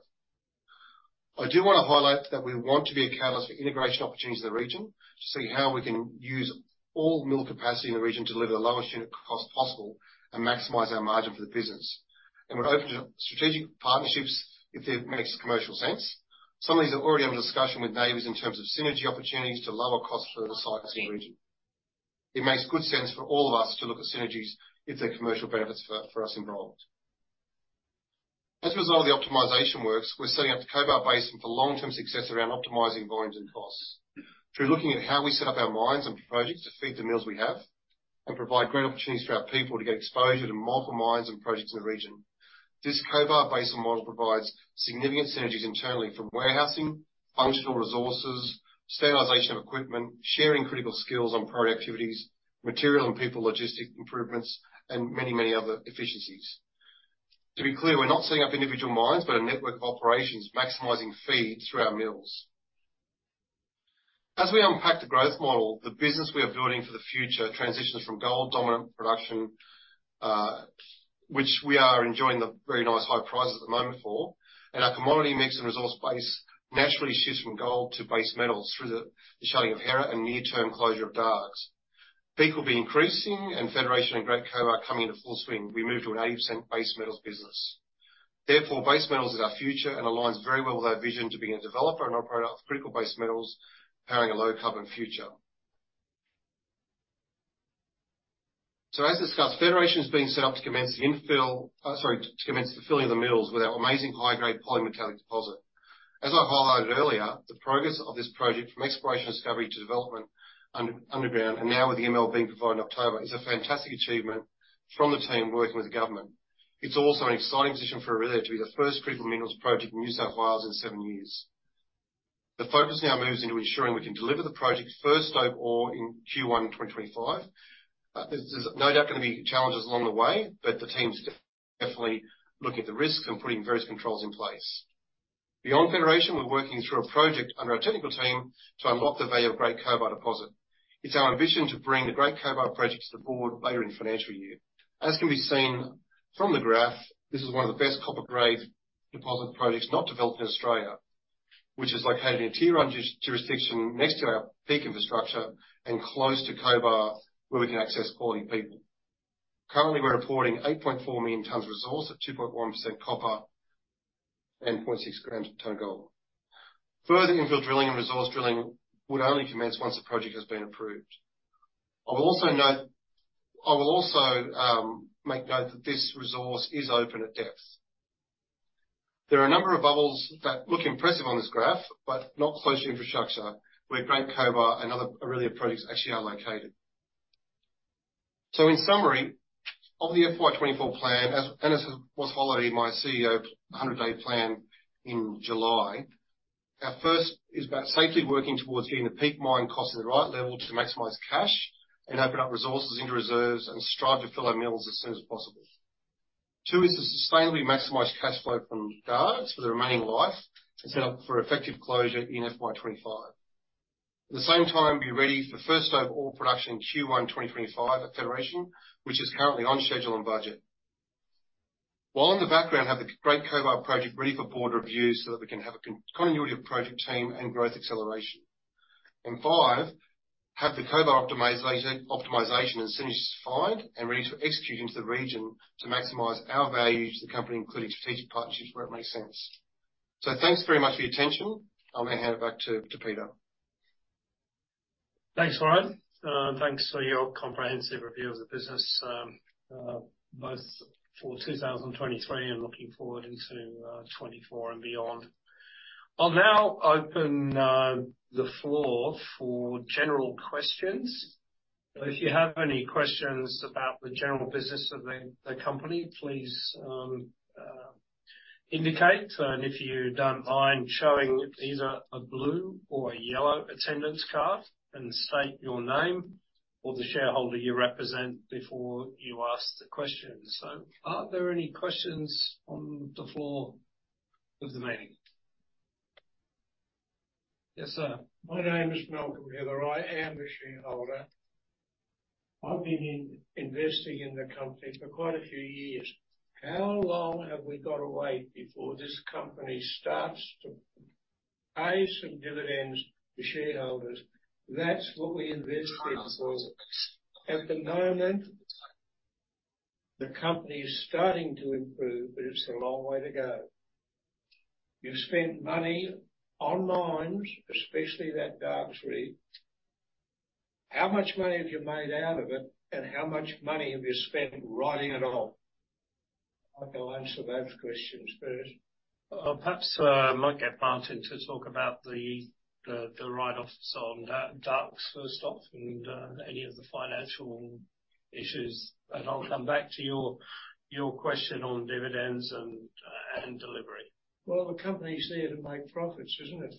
I do want to highlight that we want to be a catalyst for integration opportunities in the region to see how we can use all mill capacity in the region to deliver the lowest unit cost possible and maximize our margin for the business. And we're open to strategic partnerships if they make commercial sense. Some of these are already under discussion with neighbors in terms of synergy opportunities to lower costs for the sites in the region. It makes good sense for all of us to look at synergies if there are commercial benefits for, for us involved. As a result of the optimization works, we're setting up the Cobar Basin for long-term success around optimizing volumes and costs. Through looking at how we set up our mines and projects to feed the mills we have and provide great opportunities for our people to get exposure to multiple mines and projects in the region. This Cobar Basin model provides significant synergies internally from warehousing, functional resources, standardization of equipment, sharing critical skills on project activities, material and people, logistic improvements, and many, many other efficiencies. To be clear, we're not setting up individual mines, but a network of operations maximizing feed through our mills. As we unpack the growth model, the business we are building for the future transitions from gold-dominant production, which we are enjoying the very nice high prices at the moment for. Our commodity mix and resource base naturally shifts from gold to base metals through the shutting of Hera and near-term closure of Dargues. Peak will be increasing, and Federation and Great Cobar coming into full swing, we move to an 80% base metals business. Therefore, base metals is our future and aligns very well with our vision to being a developer and operator of critical base metals, powering a low carbon future. So as discussed, Federation is being set up to commence the filling of the mills with our amazing high-grade polymetallic deposit. As I highlighted earlier, the progress of this project from exploration discovery to development underground, and now with the ML being provided in October, is a fantastic achievement from the team working with the government. It's also an exciting position for Aurelia to be the first critical minerals project in New South Wales in seven years. The focus now moves into ensuring we can deliver the project's first stope ore in Q1 2025. There's no doubt going to be challenges along the way, but the team's definitely looking at the risks and putting various controls in place. Beyond Federation, we're working through a project under our technical team to unlock the value of Great Cobar Deposit. It's our ambition to bring the Great Cobar project to the board later in the financial year. As can be seen from the graph, this is one of the best copper grade deposit projects not developed in Australia, which is located in a tier one jurisdiction, next to our Peak infrastructure and close to Cobar, where we can access quality people. Currently, we're reporting 8.4 million tonnes of resource at 2.1% copper and 0.6 grams per tonne gold. Further infill drilling and resource drilling would only commence once the project has been approved. I will also note that this resource is open at depth. There are a number of bubbles that look impressive on this graph, but not close to infrastructure, where Great Cobar and other Aurelia projects actually are located. So in summary, of the FY 2024 plan, as, and as was highlighted in my CEO 100-day plan in July, our first is about safely working towards getting the Peak Mine cost at the right level to maximize cash and open up resources into reserves and strive to fill our mills as soon as possible. Two, is to sustainably maximize cash flow from Dargues for the remaining life, and set up for effective closure in FY 2025. At the same time, be ready for first overall production in Q1 2025 at Federation, which is currently on schedule and budget. While in the background, have the Great Cobar Project ready for board review so that we can have a continuity of project team and growth acceleration. And five, have the Cobar optimization and synergies defined and ready to execute into the region to maximize our value to the company, including strategic partnerships, where it makes sense. So thanks very much for your attention. I'll now hand it back to Peter. Thanks, Bryan. Thanks for your comprehensive review of the business, both for 2023 and looking forward into 2024 and beyond. I'll now open the floor for general questions. If you have any questions about the general business of the company, please indicate, and if you don't mind showing either a blue or a yellow attendance card and state your name or the shareholder you represent before you ask the question. So are there any questions on the floor of the meeting? Yes, sir. My name is Malcolm Heather. I am a shareholder. I've been investing in the company for quite a few years. How long have we got to wait before this company starts to pay some dividends to shareholders? That's what we invest here for. At the moment, the company is starting to improve, but it's a long way to go. You've spent money on mines, especially that Dargues Reef. How much money have you made out of it, and how much money have you spent writing it off? I'd like to answer those questions first. Perhaps I might get Martin to talk about the write-offs on Dargues, first off, and any of the financial issues. I'll come back to your question on dividends and delivery. Well, the company's here to make profits, isn't it?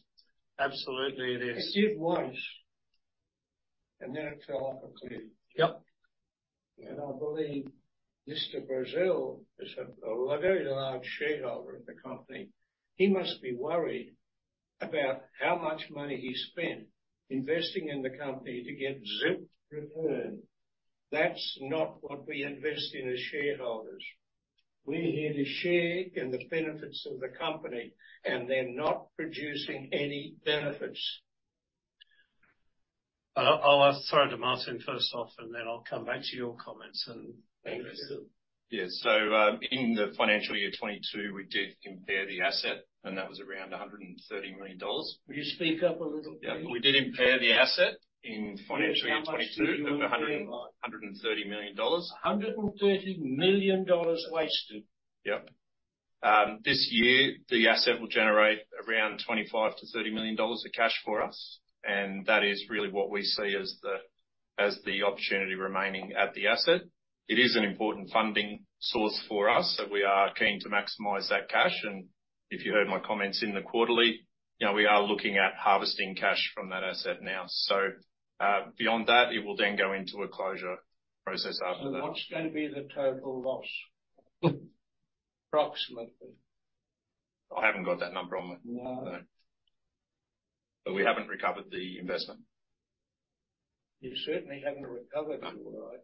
Absolutely, it is. It did once, and then it fell off a cliff. Yep. I believe Mr. Brazil is a very large shareholder of the company. He must be worried about how much money he spent investing in the company to get zip return. That's not what we invest in as shareholders. We're here to share in the benefits of the company, and they're not producing any benefits. I'll throw it to Martin first off, and then I'll come back to your comments and- Yeah. So, in the financial year 2022, we did impair the asset, and that was around 130 million dollars. Will you speak up a little bit? Yeah. We did impair the asset in financial year 2022- How much do you- 130 million dollars. 100 million dollars wasted? Yep. This year, the asset will generate around 25-30 million dollars of cash for us, and that is really what we see as the, as the opportunity remaining at the asset. It is an important funding source for us, so we are keen to maximize that cash. If you heard my comments in the quarterly, you know, we are looking at harvesting cash from that asset now. Beyond that, it will then go into a closure process after that. What's going to be the total loss, approximately? I haven't got that number on me. No. But we haven't recovered the investment. You certainly haven't recovered, all right.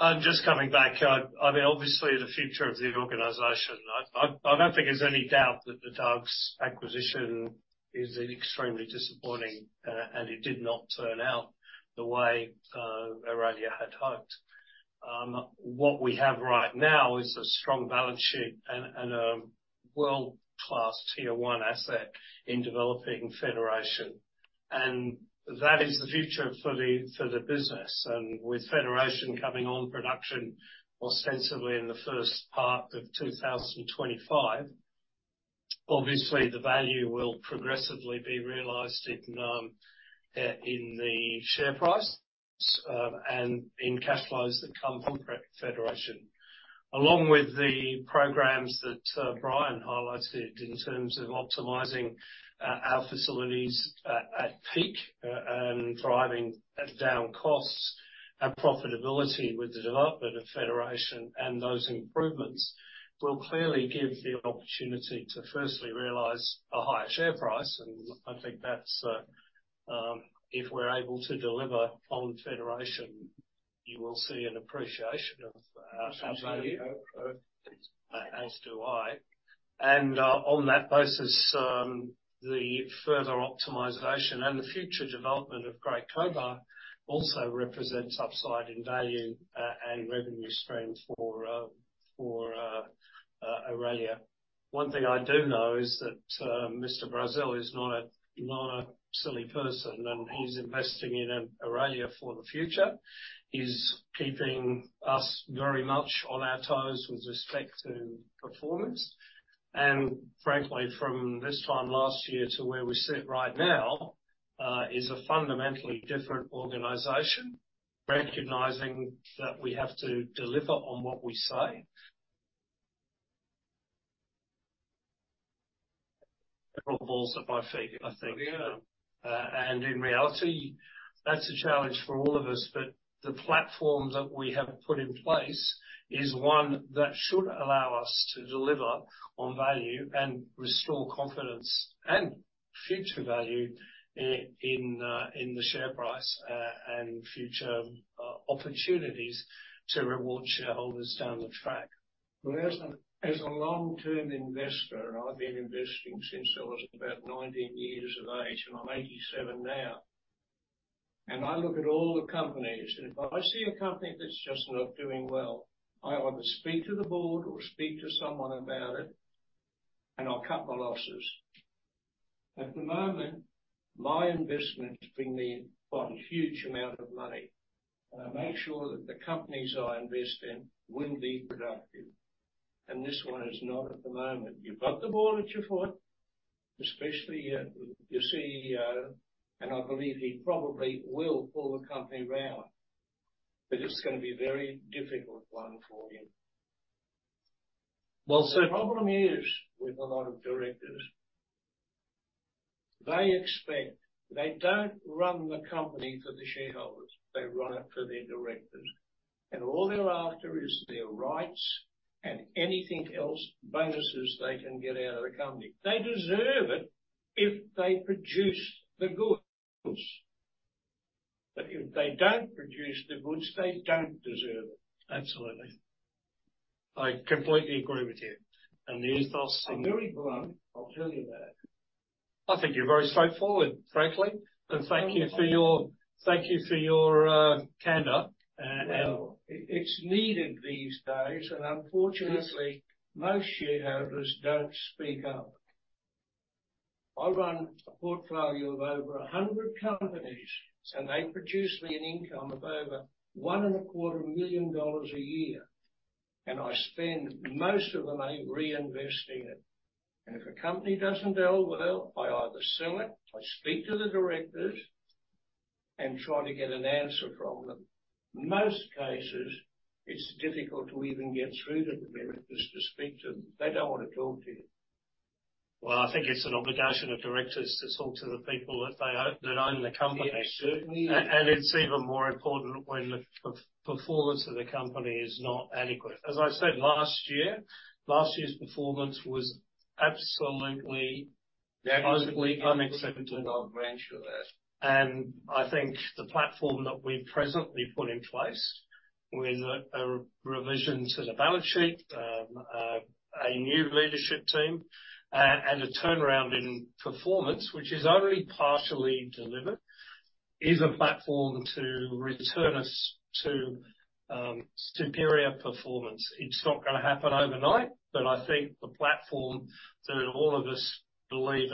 I'm just coming back. I mean, obviously, the future of the organization, I don't think there's any doubt that the Dargues acquisition is extremely disappointing, and it did not turn out the way Aurelia had hoped. What we have right now is a strong balance sheet and a world-class tier one asset in developing Federation. And that is the future for the business. And with Federation coming on production ostensibly in the first part of 2025, obviously, the value will progressively be realized in the share price and in cash flows that come from Federation. Along with the programs that Bryan highlighted in terms of optimizing our facilities at Peak and driving down costs and profitability with the development of Federation, and those improvements will clearly give the opportunity to firstly realize a higher share price. And I think that's if we're able to deliver on Federation, you will see an appreciation of our value. As do I. On that basis, the further optimization and the future development of Great Cobar also represents upside in value, and revenue streams for Aurelia. One thing I do know is that Mr. Brazil is not a silly person, and he's investing in Aurelia for the future. He's keeping us very much on our toes with respect to performance. Frankly, from this time last year to where we sit right now, is a fundamentally different organization, recognizing that we have to deliver on what we say. Several balls at my feet, I think. In reality, that's a challenge for all of us, but the platform that we have put in place is one that should allow us to deliver on value and restore confidence and future value in the share price and future opportunities to reward shareholders down the track. Well, as a long-term investor, and I've been investing since I was about 19 years of age, and I'm 87 now. I look at all the companies, and if I see a company that's just not doing well, I either speak to the board or speak to someone about it, and I'll cut my losses. At the moment, my investments bring me quite a huge amount of money, and I make sure that the companies I invest in will be productive. This one is not at the moment. You've got the board at your foot, especially your CEO, and I believe he probably will pull the company around, but it's gonna be a very difficult one for him. The problem is, with a lot of directors, they expect, they don't run the company for the shareholders, they run it for their directors. And all they're after is their rights and anything else, bonuses they can get out of the company. They deserve it if they produce the goods. But if they don't produce the goods, they don't deserve it. Absolutely. I completely agree with you, and there's those- I'm very blunt, I'll tell you that. I think you're very straightforward, frankly, and thank you for your candor, and Well, it's needed these days, and unfortunately most shareholders don't speak up. I run a portfolio of over 100 companies, and they produce me an income of over 1.25 million dollars a year, and I spend most of the money reinvesting it. And if a company doesn't deal well, I either sell it, I speak to the directors and try to get an answer from them. In most cases, it's difficult to even get through to the directors to speak to them. They don't want to talk to you. Well, I think it's an obligation of directors to talk to the people that they own, that own the company. It certainly is. It's even more important when the poor performance of the company is not adequate. As I said last year, last year's performance was absolutely, absolutely unacceptable. I'll grant you that. I think the platform that we've presently put in place, with a revision to the balance sheet, a new leadership team, and a turnaround in performance, which is only partially delivered, is a platform to return us to superior performance. It's not gonna happen overnight, but I think the platform that all of us believe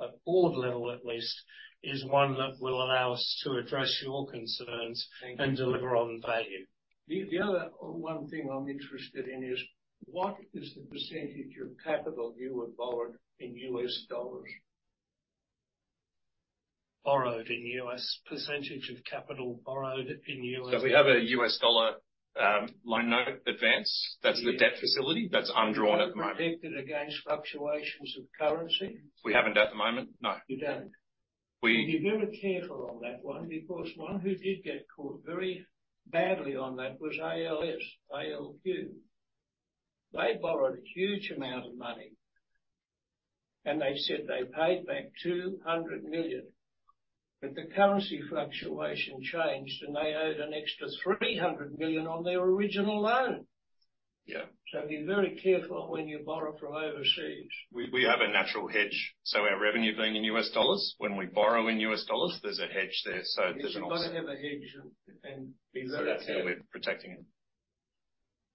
at board level at least, is one that will allow us to address your concerns and deliver on value. The other one thing I'm interested in is: what is the percentage of capital you have borrowed in US dollars? Borrowed in U.S. - percentage of capital borrowed in U.S.- We have a U.S. dollar loan note advance. That's the debt facility that's undrawn at the moment. hedged against fluctuations of currency? We haven't at the moment, no. You don't. Be very careful on that one, because one who did get caught very badly on that was ALS, ALQ. They borrowed a huge amount of money, and they said they paid back 200 million. But the currency fluctuation changed, and they owed an extra 300 million on their original loan. Be very careful when you borrow from overseas. We have a natural hedge, so our revenue being in U.S. dollars, when we borrow in U.S. dollars, there's a hedge there, so there's an- You've got to have a hedge and be very careful. So that's where we're protecting it.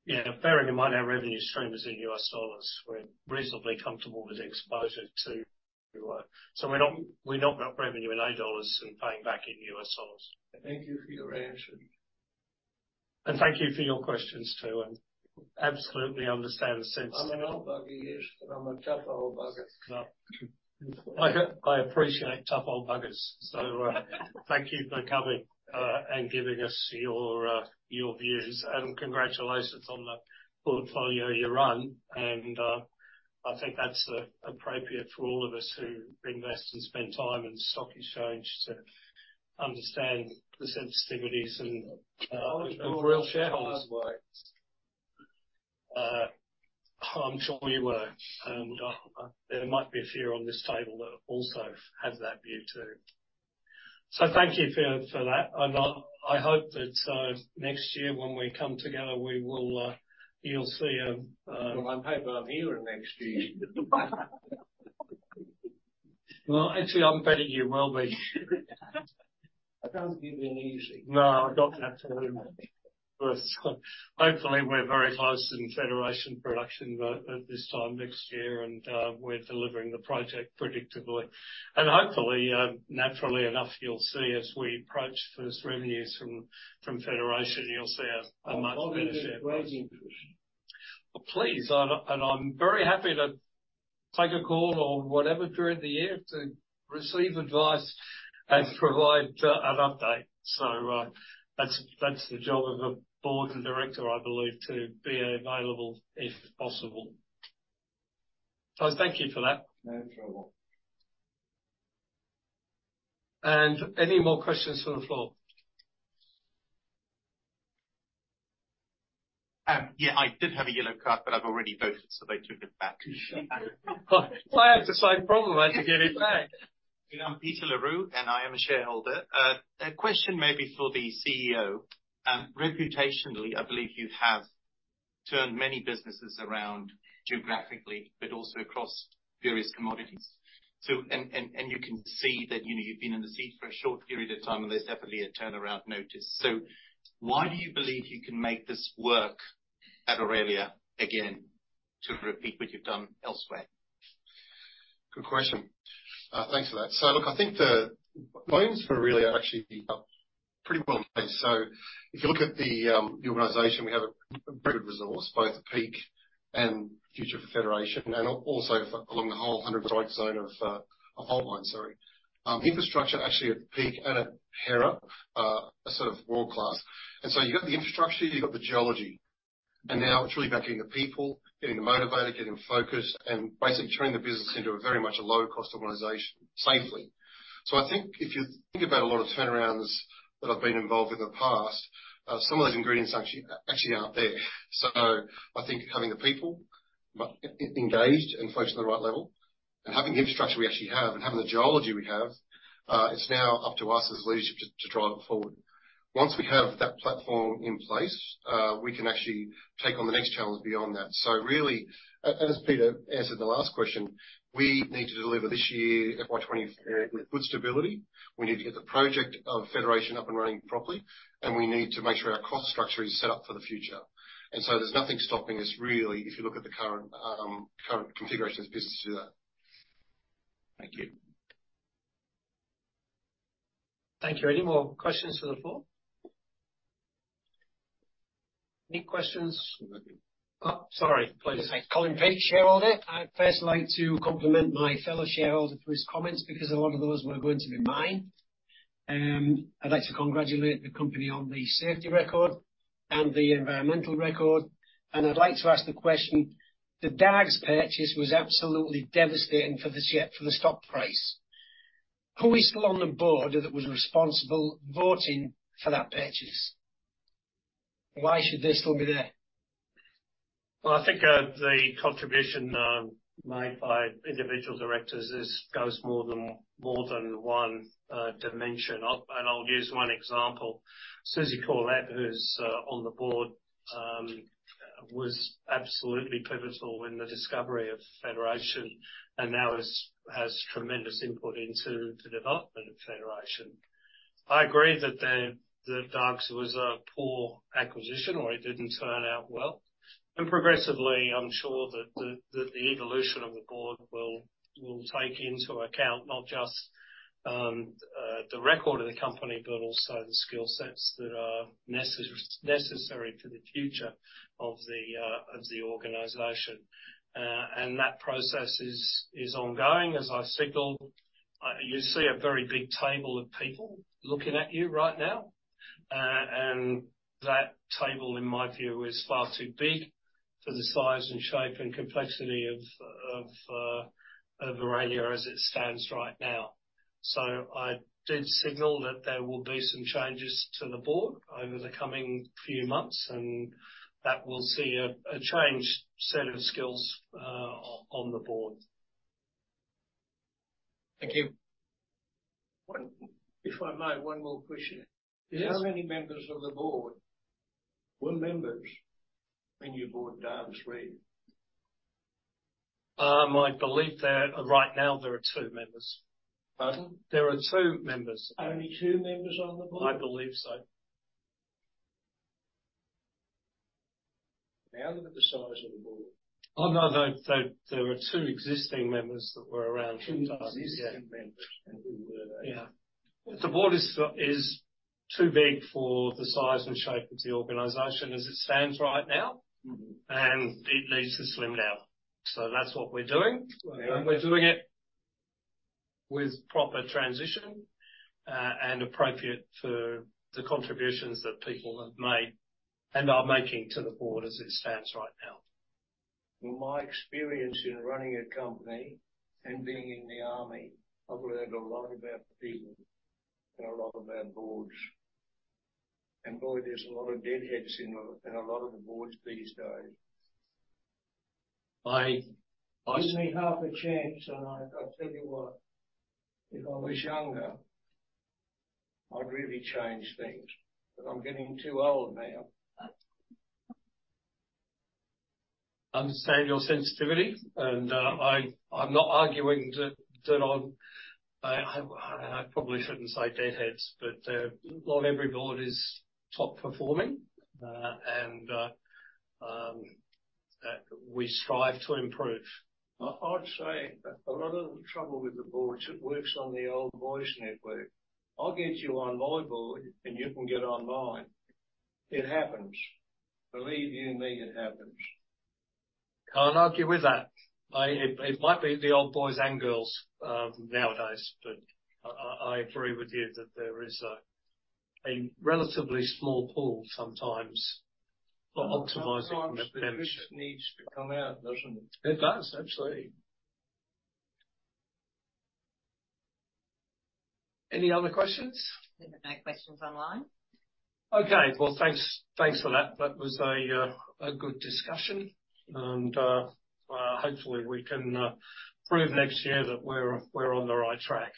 Yeah. Bearing in mind, our revenue stream is in U.S. dollars. We're reasonably comfortable with the exposure to U.S. So we're not, we're not revenue in A dollars and paying back in U.S. dollars. Thank you for your answer. Thank you for your questions, too, and absolutely understand the sense. I'm an old bugger, yes, but I'm a tough old bugger. I appreciate tough old buggers. So, thank you for coming and giving us your views. And congratulations on the portfolio you run, and I think that's appropriate for all of us who invest and spend time in the stock exchange to understand the sensitivities and the real shareholders. I was born that way. I'm sure you were. There might be a few on this table that also have that view, too. So thank you for that. And I hope that next year when we come together, we will, you'll see a, Well, I hope I'm here next year. Well, actually, I'm betting you will be. I don't give in easy. No, I don't have to. Hopefully, we're very close in Federation production at this time next year, and we're delivering the project predictably. And hopefully, naturally enough, you'll see as we approach first revenues from Federation, you'll see a much better share price. I'm willing to give advice. I'm very happy to take a call or whatever during the year to receive advice and provide an update. So, that's the job of a board and director, I believe, to be available if possible. So thank you for that. And any more questions from the floor? Yeah, I did have a yellow card, but I've already voted, so they took it back. Well, I have the same problem. I had to give it back. I'm Peter LaRue, and I am a shareholder. A question maybe for the CEO. Reputationally, I believe you have turned many businesses around geographically, but also across various commodities. So you can see that, you know, you've been in the seat for a short period of time, and there's definitely a turnaround notice. So why do you believe you can make this work at Aurelia again, to repeat what you've done elsewhere? Good question. Thanks for that. So look, I think the volumes for Aurelia are actually pretty well placed. So if you look at the, the organization, we have a pretty good resource, both the Peak and future of Federation, and also for along the whole 100 strike zone of, of Hera line. Infrastructure actually at Peak and at Hera are sort of world-class. And so you've got the infrastructure, you've got the geology, and now it's really about getting the people, getting them motivated, getting focused, and basically turning the business into a very much a low-cost organization, safely. So I think if you think about a lot of turnarounds that I've been involved in the past, some of those ingredients actually aren't there. So I think having the people engaged and focused on the right level and having the infrastructure we actually have and having the geology we have, it's now up to us as leadership to drive it forward. Once we have that platform in place, we can actually take on the next challenge beyond that. So really, as Peter answered the last question, we need to deliver this year, FY 2020, with good stability. We need to get the project of Federation up and running properly, and we need to make sure our cost structure is set up for the future. So there's nothing stopping us, really, if you look at the current configuration of the business to do that. Thank you. Thank you. Any more questions to the floor? Any questions? Sorry, please. Colin Pate, shareholder. I'd first like to compliment my fellow shareholder for his comments, because a lot of those were going to be mine. I'd like to congratulate the company on the safety record and the environmental record, and I'd like to ask the question: The Dargues purchase was absolutely devastating for the share- for the stock price. Who is still on the board that was responsible voting for that purchase? Why should they still be there? Well, I think the contribution made by individual directors is goes more than more than one dimension. I'll and I'll use one example. Susie Corlett, who's on the board, was absolutely pivotal in the discovery of Federation and now has tremendous input into the development of Federation. I agree that the Dargues was a poor acquisition, or it didn't turn out well. And progressively, I'm sure that the evolution of the board will take into account not just the record of the company, but also the skill sets that are necessary for the future of the organization. And that process is ongoing, as I signaled. You see a very big table of people looking at you right now, and that table, in my view, is far too big for the size and shape and complexity of Aurelia as it stands right now. So I did signal that there will be some changes to the board over the coming few months, and that will see a changed set of skills on the board. Thank you. If I may, one more question? Yes. How many members of the board were members when you bought Dargues right? I believe that right now there are two members. Pardon? There are two members. Only two members on the board? I believe so. Now, look at the size of the board. Oh, no, no. There, there were two existing members that were around- Two existing members. Yeah. The board is too big for the size and shape of the organization as it stands right now. It needs to slim down. That's what we're doing. We're doing it with proper transition and appropriate for the contributions that people have made and are making to the board as it stands right now. Well, my experience in running a company and being in the army, I've learned a lot about people and a lot about boards. And boy, there's a lot of deadheads in a lot of the boards these days. Give me half a chance, and I, I'll tell you what, if I was younger, I'd really change things, but I'm getting too old now. I understand your sensitivity, and I'm not arguing that I'm... I probably shouldn't say deadheads, but not every board is top performing, and we strive to improve. I'd say a lot of the trouble with the boards, it works on the old boys' network. I'll get you on my board, and you can get on mine. It happens. Believe you me, it happens. Can't argue with that. It might be the old boys and girls nowadays, but I agree with you that there is a relatively small pool, sometimes, for optimizing- Sometimes the truth needs to come out, doesn't it? It does, absolutely. Any other questions? There are no questions online. Okay. Well, thanks, thanks for that. That was a good discussion, and hopefully we can prove next year that we're on the right track.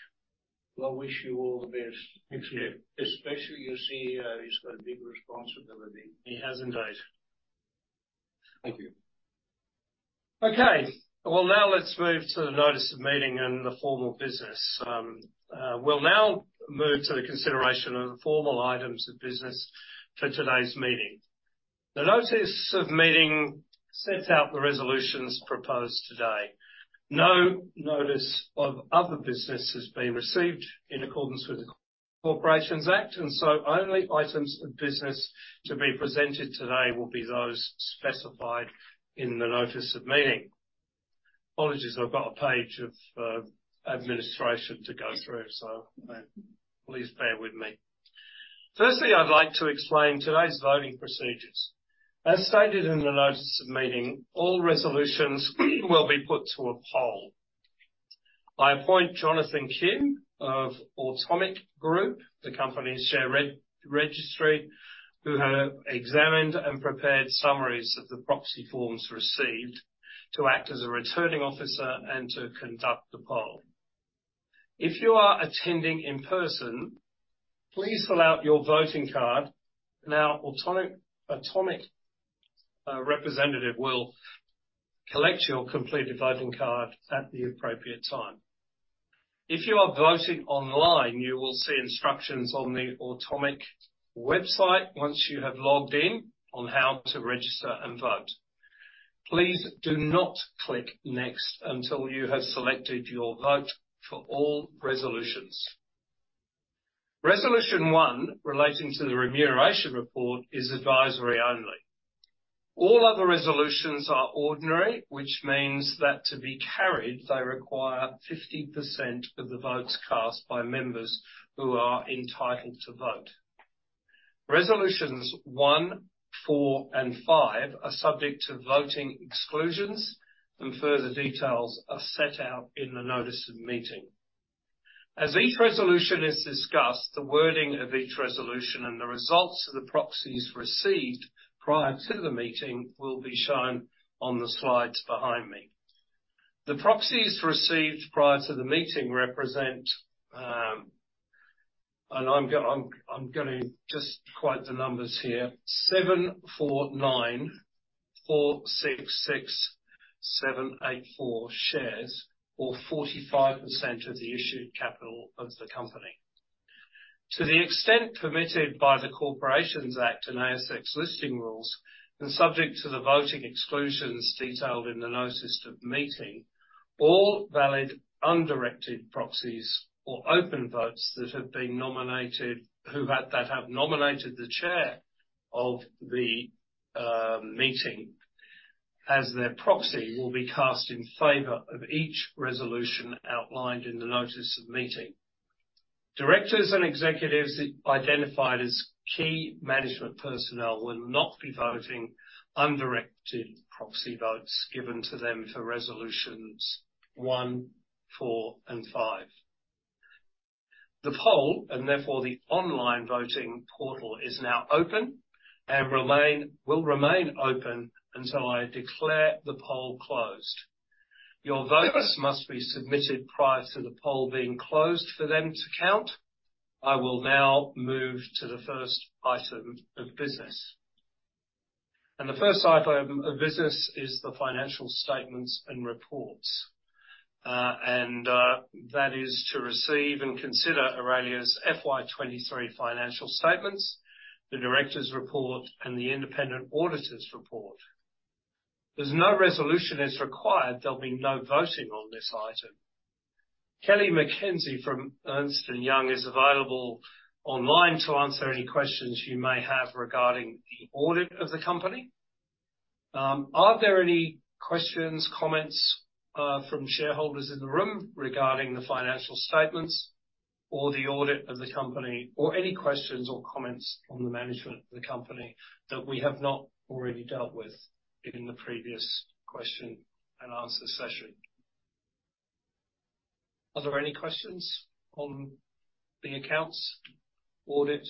Well, I wish you all the best. Thank you. Especially your CEO. He's got a big responsibility. He has, indeed. Thank you. Okay. Well, now let's move to the notice of meeting and the formal business. We'll now move to the consideration of the formal items of business for today's meeting. The notice of meeting sets out the resolutions proposed today. No notice of other business has been received in accordance with the Corporations Act, and so only items of business to be presented today will be those specified in the notice of meeting. Apologies, I've got a page of administration to go through, so please bear with me. Firstly, I'd like to explain today's voting procedures. As stated in the notice of meeting, all resolutions will be put to a poll. I appoint Jonathan Kim of Automic Group, the company's share registry, who have examined and prepared summaries of the proxy forms received, to act as a returning officer and to conduct the poll. If you are attending in person, please fill out your voting card, and our Automic representative will collect your completed voting card at the appropriate time. If you are voting online, you will see instructions on the Automic website once you have logged in on how to register and vote. Please do not click Next until you have selected your vote for all resolutions. Resolution one, relating to the remuneration report, is advisory only. All other resolutions are ordinary, which means that to be carried, they require 50% of the votes cast by members who are entitled to vote. Resolutions one, four, and five are subject to voting exclusions, and further details are set out in the notice of meeting. As each resolution is discussed, the wording of each resolution and the results of the proxies received prior to the meeting will be shown on the slides behind me. The proxies received prior to the meeting represent, and I'm going to just quote the numbers here. 749,466,784 shares, or 45% of the issued capital of the company. To the extent permitted by the Corporations Act and ASX listing rules, and subject to the voting exclusions detailed in the notice of meeting, all valid, undirected proxies or open votes that have nominated the chair of the meeting as their proxy, will be cast in favor of each resolution outlined in the notice of meeting. Directors and executives identified as key management personnel will not be voting on directed proxy votes given to them for resolutions 1, 4, and 5. The poll, and therefore the online voting portal, is now open and will remain open until I declare the poll closed. Your votes must be submitted prior to the poll being closed for them to count. I will now move to the first item of business. The first item of business is the financial statements and reports. That is to receive and consider Aurelia's FY23 financial statements, the directors' report, and the independent auditor's report. There's no resolution is required. There'll be no voting on this item. Kelly McKenzie from Ernst & Young is available online to answer any questions you may have regarding the audit of the company. Are there any questions, comments, from shareholders in the room regarding the financial statements or the audit of the company, or any questions or comments on the management of the company that we have not already dealt with in the previous question and answer session? Are there any questions on the accounts, audit?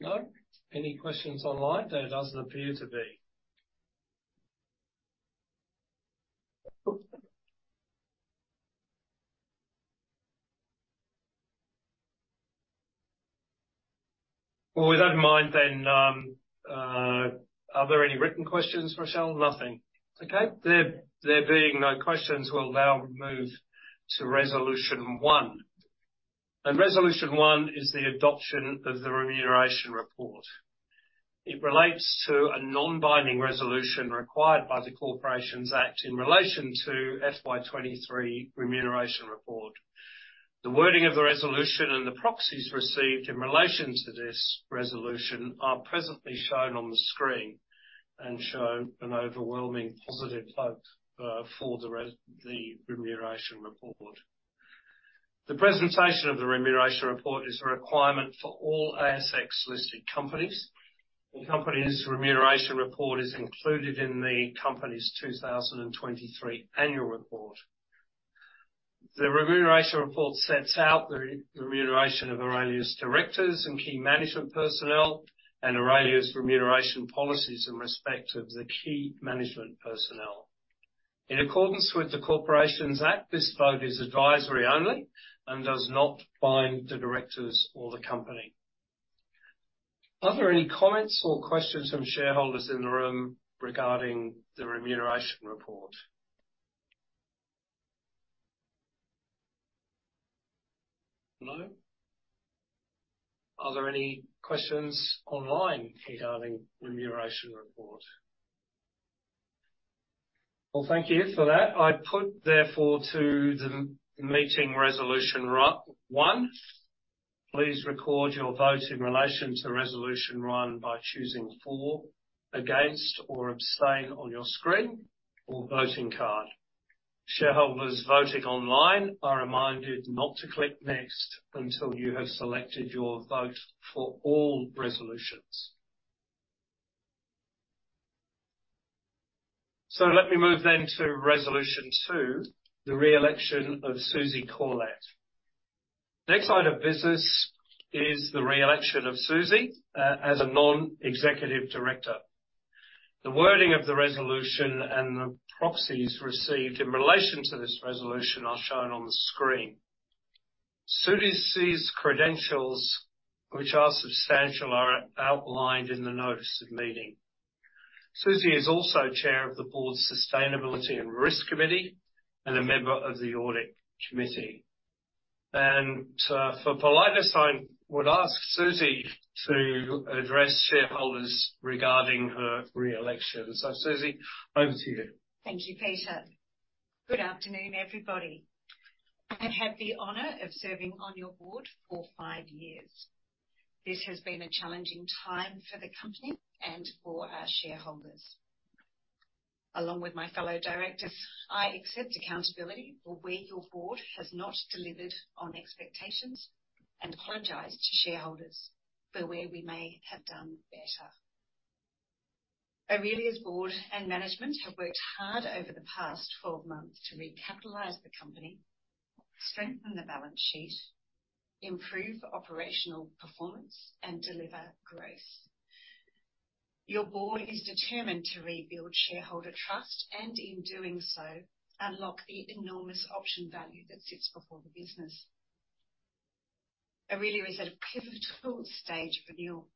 No? Any questions online? There doesn't appear to be. Oops. Well, with that in mind, then, are there any written questions, Michelle? Nothing. Okay. There being no questions, we'll now move to resolution one. Resolution one is the adoption of the remuneration report. It relates to a non-binding resolution required by the Corporations Act in relation to FY23 remuneration report. The wording of the resolution and the proxies received in relation to this resolution are presently shown on the screen and show an overwhelming positive vote for the remuneration report. The presentation of the remuneration report is a requirement for all ASX-listed companies. The company's remuneration report is included in the company's 2023 annual report. The remuneration report sets out the remuneration of Aurelia's directors and key management personnel and Aurelia's remuneration policies in respect of the key management personnel. In accordance with the Corporations Act, this vote is advisory only and does not bind the directors or the company. Are there any comments or questions from shareholders in the room regarding the remuneration report? No. Are there any questions online regarding the remuneration report? Well, thank you for that. I put therefore to the meeting resolution one. Please record your vote in relation to resolution one by choosing for, against, or abstain on your screen or voting card. Shareholders voting online are reminded not to click next until you have selected your vote for all resolutions. Let me move then to resolution two, the re-election of Susie Corlett. Next item of business is the re-election of Susie as a non-executive director. The wording of the resolution and the proxies received in relation to this resolution are shown on the screen. Susie's credentials, which are substantial, are outlined in the notice of meeting. Susie is also Chair of the board's Sustainability and Risk Committee and a member of the Audit Committee. For politeness, I would ask Susie to address shareholders regarding her re-election. Susie, over to you. Thank you, Peter. Good afternoon, everybody. I have had the honor of serving on your board for five years. This has been a challenging time for the company and for our shareholders. Along with my fellow directors, I accept accountability for where your board has not delivered on expectations and apologize to shareholders for where we may have done better. Aurelia's board and management have worked hard over the past 12 months to recapitalize the company, strengthen the balance sheet, improve operational performance, and deliver growth. Your board is determined to rebuild shareholder trust and, in doing so, unlock the enormous option value that sits before the business. Aurelia is at a pivotal stage of renewal.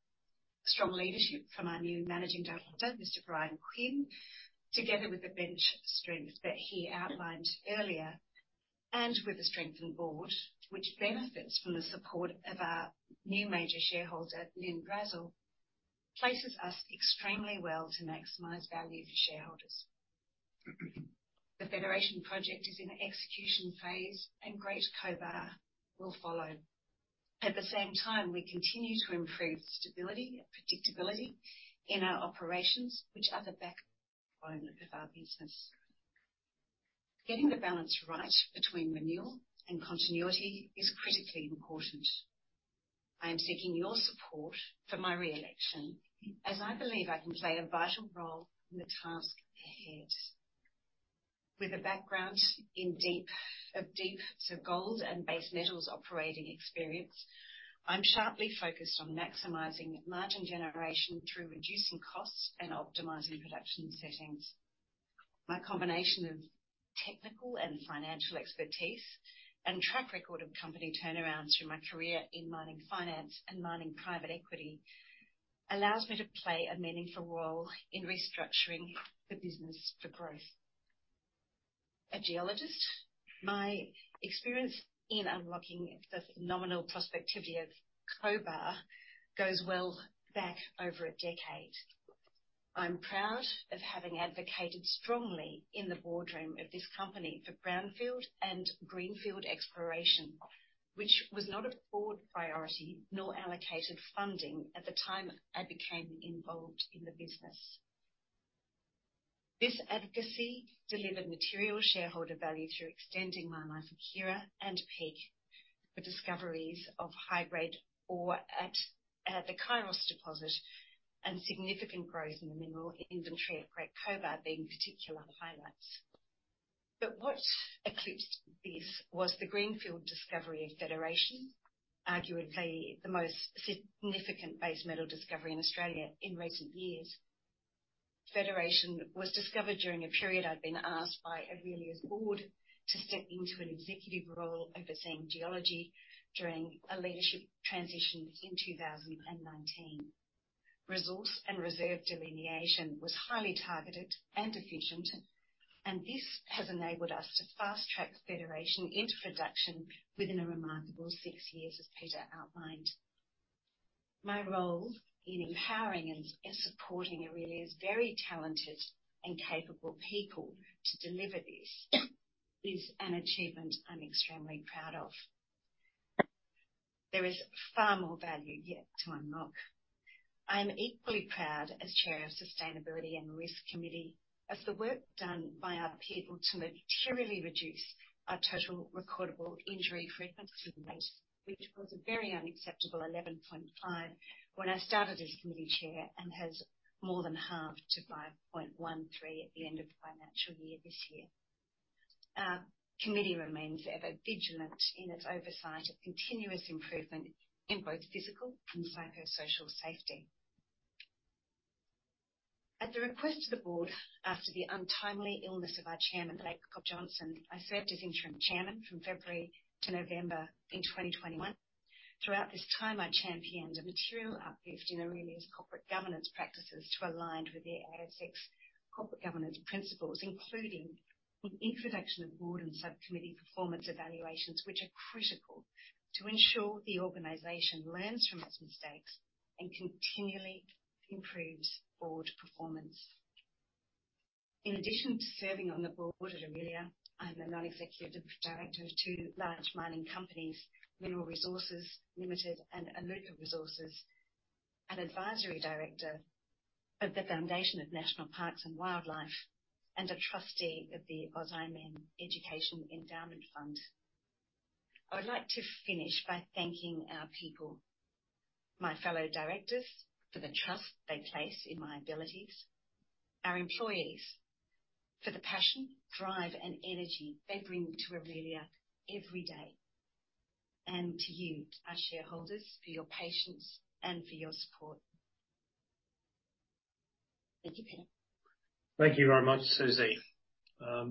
Strong leadership from our new Managing Director, Mr. Bryan Quinn, together with the bench strength that he outlined earlier, and with a strengthened board, which benefits from the support of our new major shareholder, Lyn Brazil, places us extremely well to maximize value for shareholders. The Federation project is in the execution phase, and Great Cobar will follow. At the same time, we continue to improve stability and predictability in our operations, which are the backbone of our business. Getting the balance right between renewal and continuity is critically important. I am seeking your support for my re-election, as I believe I can play a vital role in the task ahead. With a background in deep gold and base metals operating experience, I'm sharply focused on maximizing margin generation through reducing costs and optimizing production settings. My combination of technical and financial expertise and track record of company turnarounds through my career in mining, finance, and mining private equity, allows me to play a meaningful role in restructuring the business for growth. A geologist, my experience in unlocking the phenomenal prospectivity of Cobar goes well back over a decade. I'm proud of having advocated strongly in the boardroom of this company for brownfield and greenfield exploration, which was not a board priority nor allocated funding at the time I became involved in the business. This advocacy delivered material shareholder value through extending mine life at Hera and Peak. The discoveries of high-grade ore at the Kairos deposit and significant growth in the mineral inventory at Great Cobar being particular highlights. But what eclipsed this was the greenfield discovery of Federation, arguably the most significant base metal discovery in Australia in recent years. Federation was discovered during a period I'd been asked by Aurelia's board to step into an executive role overseeing geology during a leadership transition in 2019. Resource and reserve delineation was highly targeted and efficient, and this has enabled us to fast-track Federation into production within a remarkable six years, as Peter outlined. My role in empowering and supporting Aurelia's very talented and capable people to deliver this, is an achievement I'm extremely proud of. There is far more value yet to unlock. I am equally proud as Chair of Sustainability and Risk Committee, of the work done by our people to materially reduce our total recordable injury frequency rate, which was a very unacceptable 11.5 when I started as committee chair, and has more than halved to 5.13 at the end of financial year this year. Our committee remains ever vigilant in its oversight of continuous improvement in both physical and psychosocial safety. At the request of the board, after the untimely illness of our chairman, Cobb Johnstone, I served as interim chairman from February to November in 2021. Throughout this time, I championed a material uplift in Aurelia's corporate governance practices to align with the ASX corporate governance principles, including the introduction of board and subcommittee performance evaluations, which are critical to ensure the organization learns from its mistakes and continually improves board performance. In addition to serving on the board at Aurelia, I'm a non-executive director of two large mining companies, Mineral Resources Limited and Iluka Resources, an advisory director of the Foundation for National Parks & Wildlife, and a trustee of the AusIMM Education Endowment Fund. I would like to finish by thanking our people, my fellow directors, for the trust they place in my abilities. Our employees, for the passion, drive, and energy they bring to Aurelia every day. And to you, our shareholders, for your patience and for your support. Thank you, Peter. Thank you very much, Susie.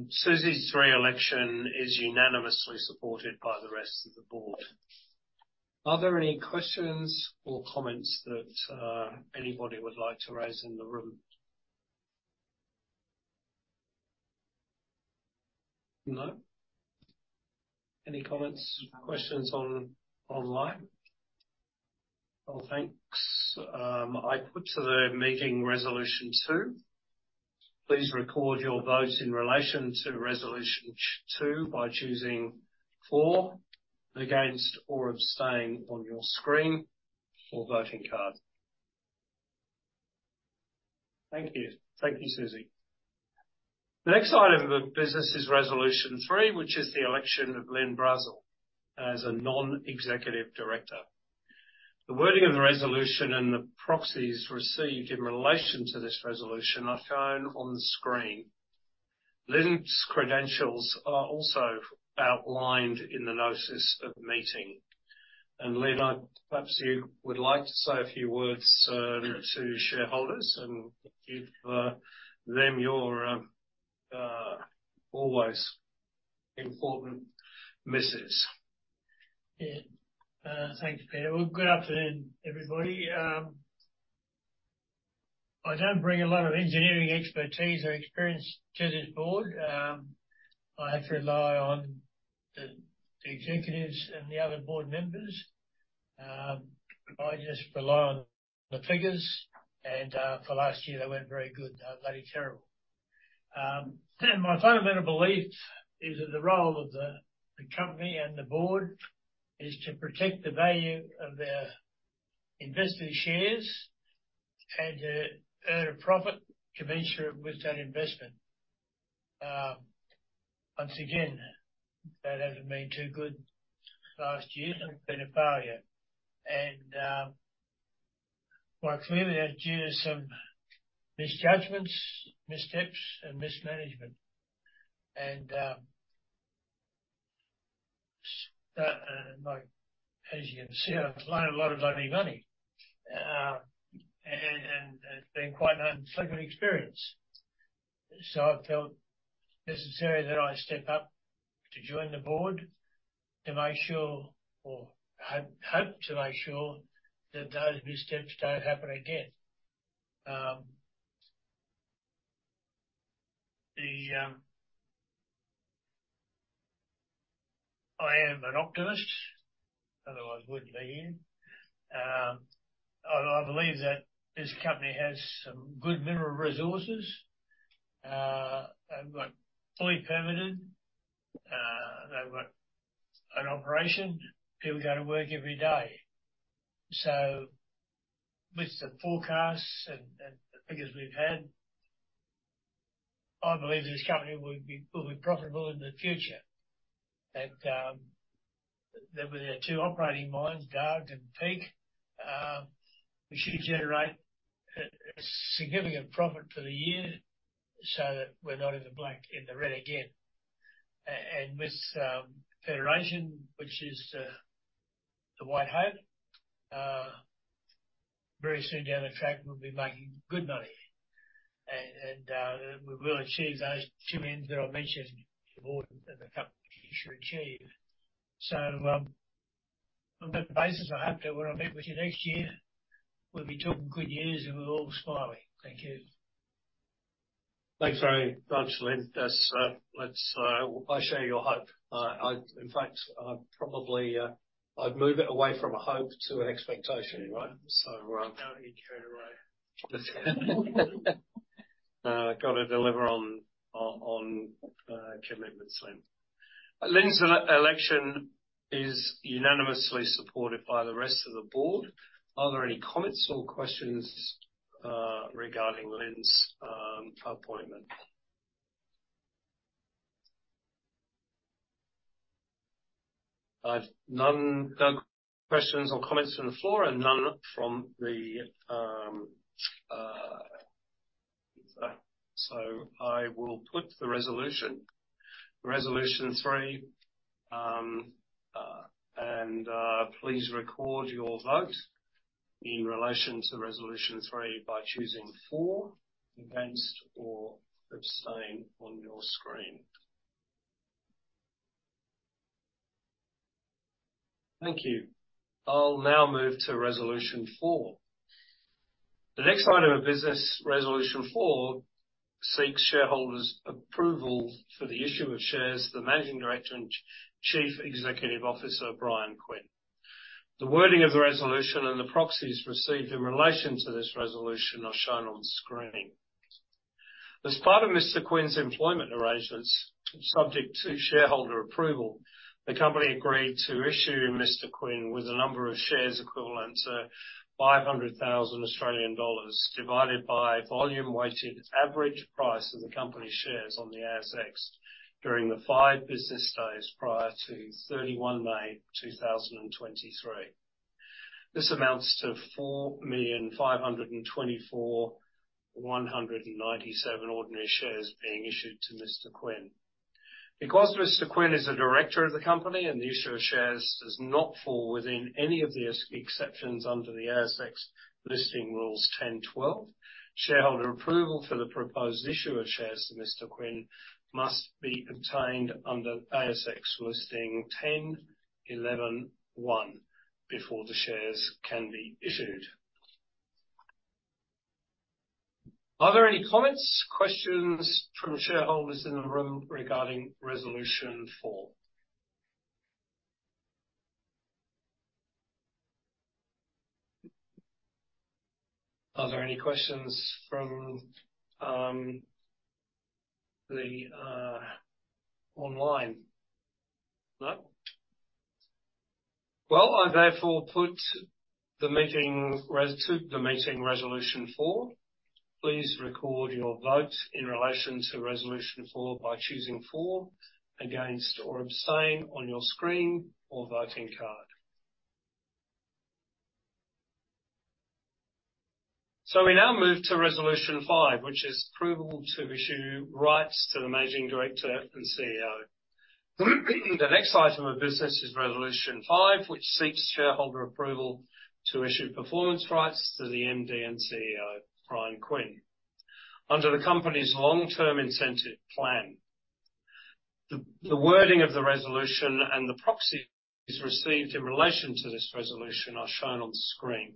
Susie's re-election is unanimously supported by the rest of the board. Are there any questions or comments that anybody would like to raise in the room? No? Any comments, questions online? Well, thanks. I put to the meeting Resolution two. Please record your vote in relation to Resolution two by choosing for, against, or abstain on your screen or voting card. Thank you. Thank you, Susie. The next item of business is Resolution three, which is the election of Lyn Brazil as a non-executive director. The wording of the resolution and the proxies received in relation to this resolution are found on the screen. Lyn's credentials are also outlined in the notice of the meeting. And Lyn, perhaps you would like to say a few words to shareholders and give them your always important message. Yeah. Thanks, Peter. Well, good afternoon, everybody. I don't bring a lot of engineering expertise or experience to this board. I have to rely on the executives and the other board members. I just rely on the figures, and for last year, they weren't very good. They were bloody terrible! And my fundamental belief is that the role of the company and the board is to protect the value of their invested shares and to earn a profit commensurate with that investment. Once again, that hasn't been too good the last year, and it's been a failure. And quite clearly, that's due to some misjudgments, missteps, and mismanagement. And like, as you can see, I've lost a lot of bloody money. And it's been quite an unsettling experience. So I felt necessary that I step up to join the board to make sure or hope to make sure that those missteps don't happen again. I am an optimist, otherwise I wouldn't be here. I believe that this company has some good mineral resources, and got fully permitted. They've got an operation. People go to work every day. So with the forecasts and the figures we've had, I believe this company will be profitable in the future. And that with their two operating mines, Dargues and Peak, we should generate a significant profit for the year so that we're not in the black, in the red again. And with Federation, which is the white hope, very soon down the track, we'll be making good money. We will achieve those two ends that I mentioned before, that the company should achieve. So, on that basis, I hope that when I meet with you next year, we'll be talking good news, and we're all smiling. Thank you. Thanks very much, Lyn. That's, I share your hope. In fact, I probably, I'd move it away from a hope to an expectation, right? So, Don't be carried away. Got to deliver on commitments, Lyn. Lyn's election is unanimously supported by the rest of the board. Are there any comments or questions regarding Lyn's appointment? I've had none, no questions or comments from the floor and none from the... So I will put the resolution three, and please record your vote in relation to resolution three by choosing for, against, or abstain on your screen. Thank you. I'll now move to resolution four. The next item of business, resolution four, seeks shareholders' approval for the issue of shares to the Managing Director and Chief Executive Officer, Bryan Quinn. The wording of the resolution and the proxies received in relation to this resolution are shown on screen. As part of Mr. Quinn's employment arrangements, subject to shareholder approval, the company agreed to issue Mr. Quinn with a number of shares equivalent to 500,000 Australian dollars, divided by volume-weighted average price of the company's shares on the ASX during the 5 business days prior to 31 May 2023. This amounts to 4,524,197 ordinary shares being issued to Mr. Quinn. Because Mr. Quinn is a director of the company, and the issue of shares does not fall within any of the exceptions under the ASX Listing Rules 10.12, shareholder approval for the proposed issue of shares to Mr. Quinn must be obtained under ASX Listing 10.11.1 before the shares can be issued. Are there any comments, questions from shareholders in the room regarding Resolution 4? Are there any questions from the online? No. Well, I therefore put resolution 4 to the meeting. Please record your vote in relation to resolution four by choosing for, against, or abstain on your screen or voting card. So we now move to Resolution 5, which is approval to issue rights to the managing director and CEO. The next item of business is Resolution 5, which seeks shareholder approval to issue performance rights to the MD and CEO, Bryan Quinn, under the company's long-term incentive plan. The wording of the resolution and the proxies received in relation to this resolution are shown on screen.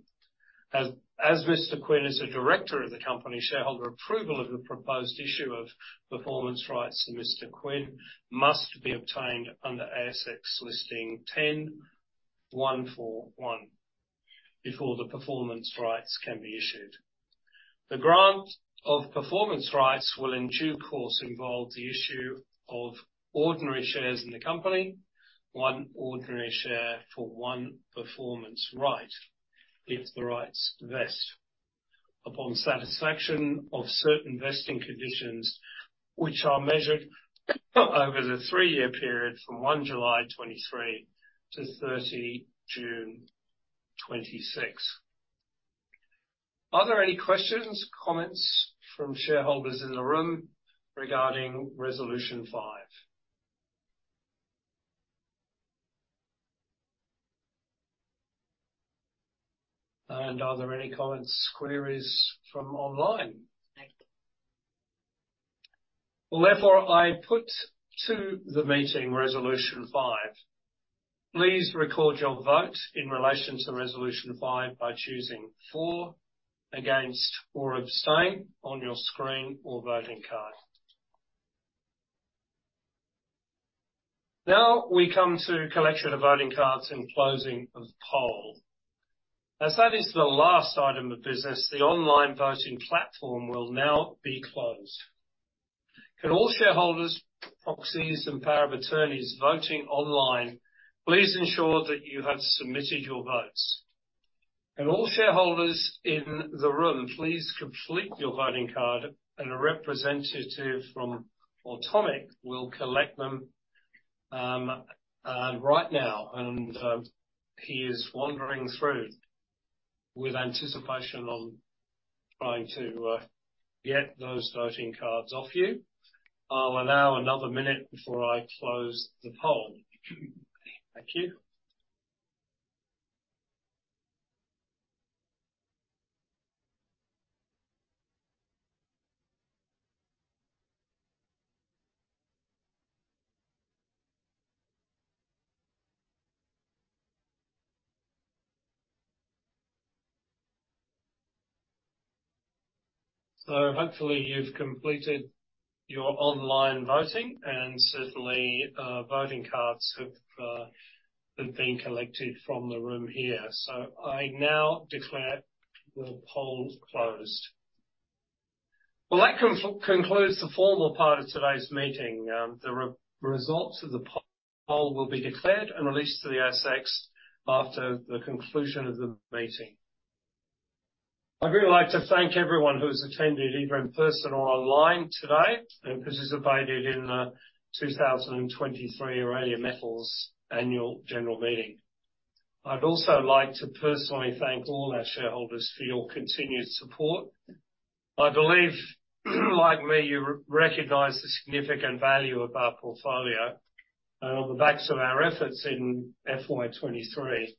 As Mr. Quinn is a director of the company, shareholder approval of the proposed issue of performance rights to Mr. Quinn must be obtained under ASX listing 10.1... before the performance rights can be issued. The grant of performance rights will, in due course, involve the issue of ordinary shares in the company. One ordinary share for one performance right, if the rights vest upon satisfaction of certain vesting conditions, which are measured over the three-year period from 1 July 2023 to 30 June 2026. Are there any questions, comments from shareholders in the room regarding Resolution Five? Are there any comments, queries from online? Well, therefore, I put to the meeting Resolution Five. Please record your vote in relation to Resolution Five by choosing for, against, or abstain on your screen or voting card. Now, we come to collection of voting cards and closing of poll. As that is the last item of business, the online voting platform will now be closed. Could all shareholders, proxies, and power of attorneys voting online, please ensure that you have submitted your votes. All shareholders in the room, please complete your voting card, and a representative from Automic will collect them right now, and he is wandering through with anticipation on trying to get those voting cards off you. I'll allow another minute before I close the poll. Thank you. Hopefully, you've completed your online voting, and certainly voting cards have been collected from the room here. I now declare the poll closed. Well, that concludes the formal part of today's meeting. The results of the poll will be declared and released to the ASX after the conclusion of the meeting. I'd really like to thank everyone who's attended, either in person or online today, and participated in the 2023 Aurelia Metals Annual General Meeting. I'd also like to personally thank all our shareholders for your continued support. I believe, like me, you recognize the significant value of our portfolio, and on the backs of our efforts in FY 23,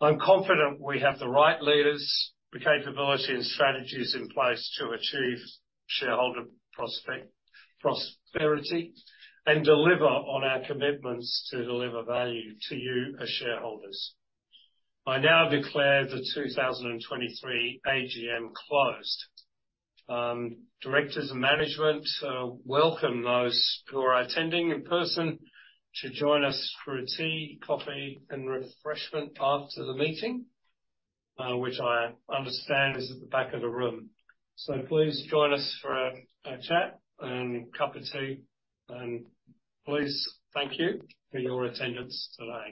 I'm confident we have the right leaders, the capability and strategies in place to achieve shareholder prosperity, and deliver on our commitments to deliver value to you as shareholders. I now declare the 2023 AGM closed. Directors and management, welcome those who are attending in person to join us for a tea, coffee, and refreshment after the meeting, which I understand is at the back of the room. So please join us for a chat and a cup of tea, and please thank you for your attendance today.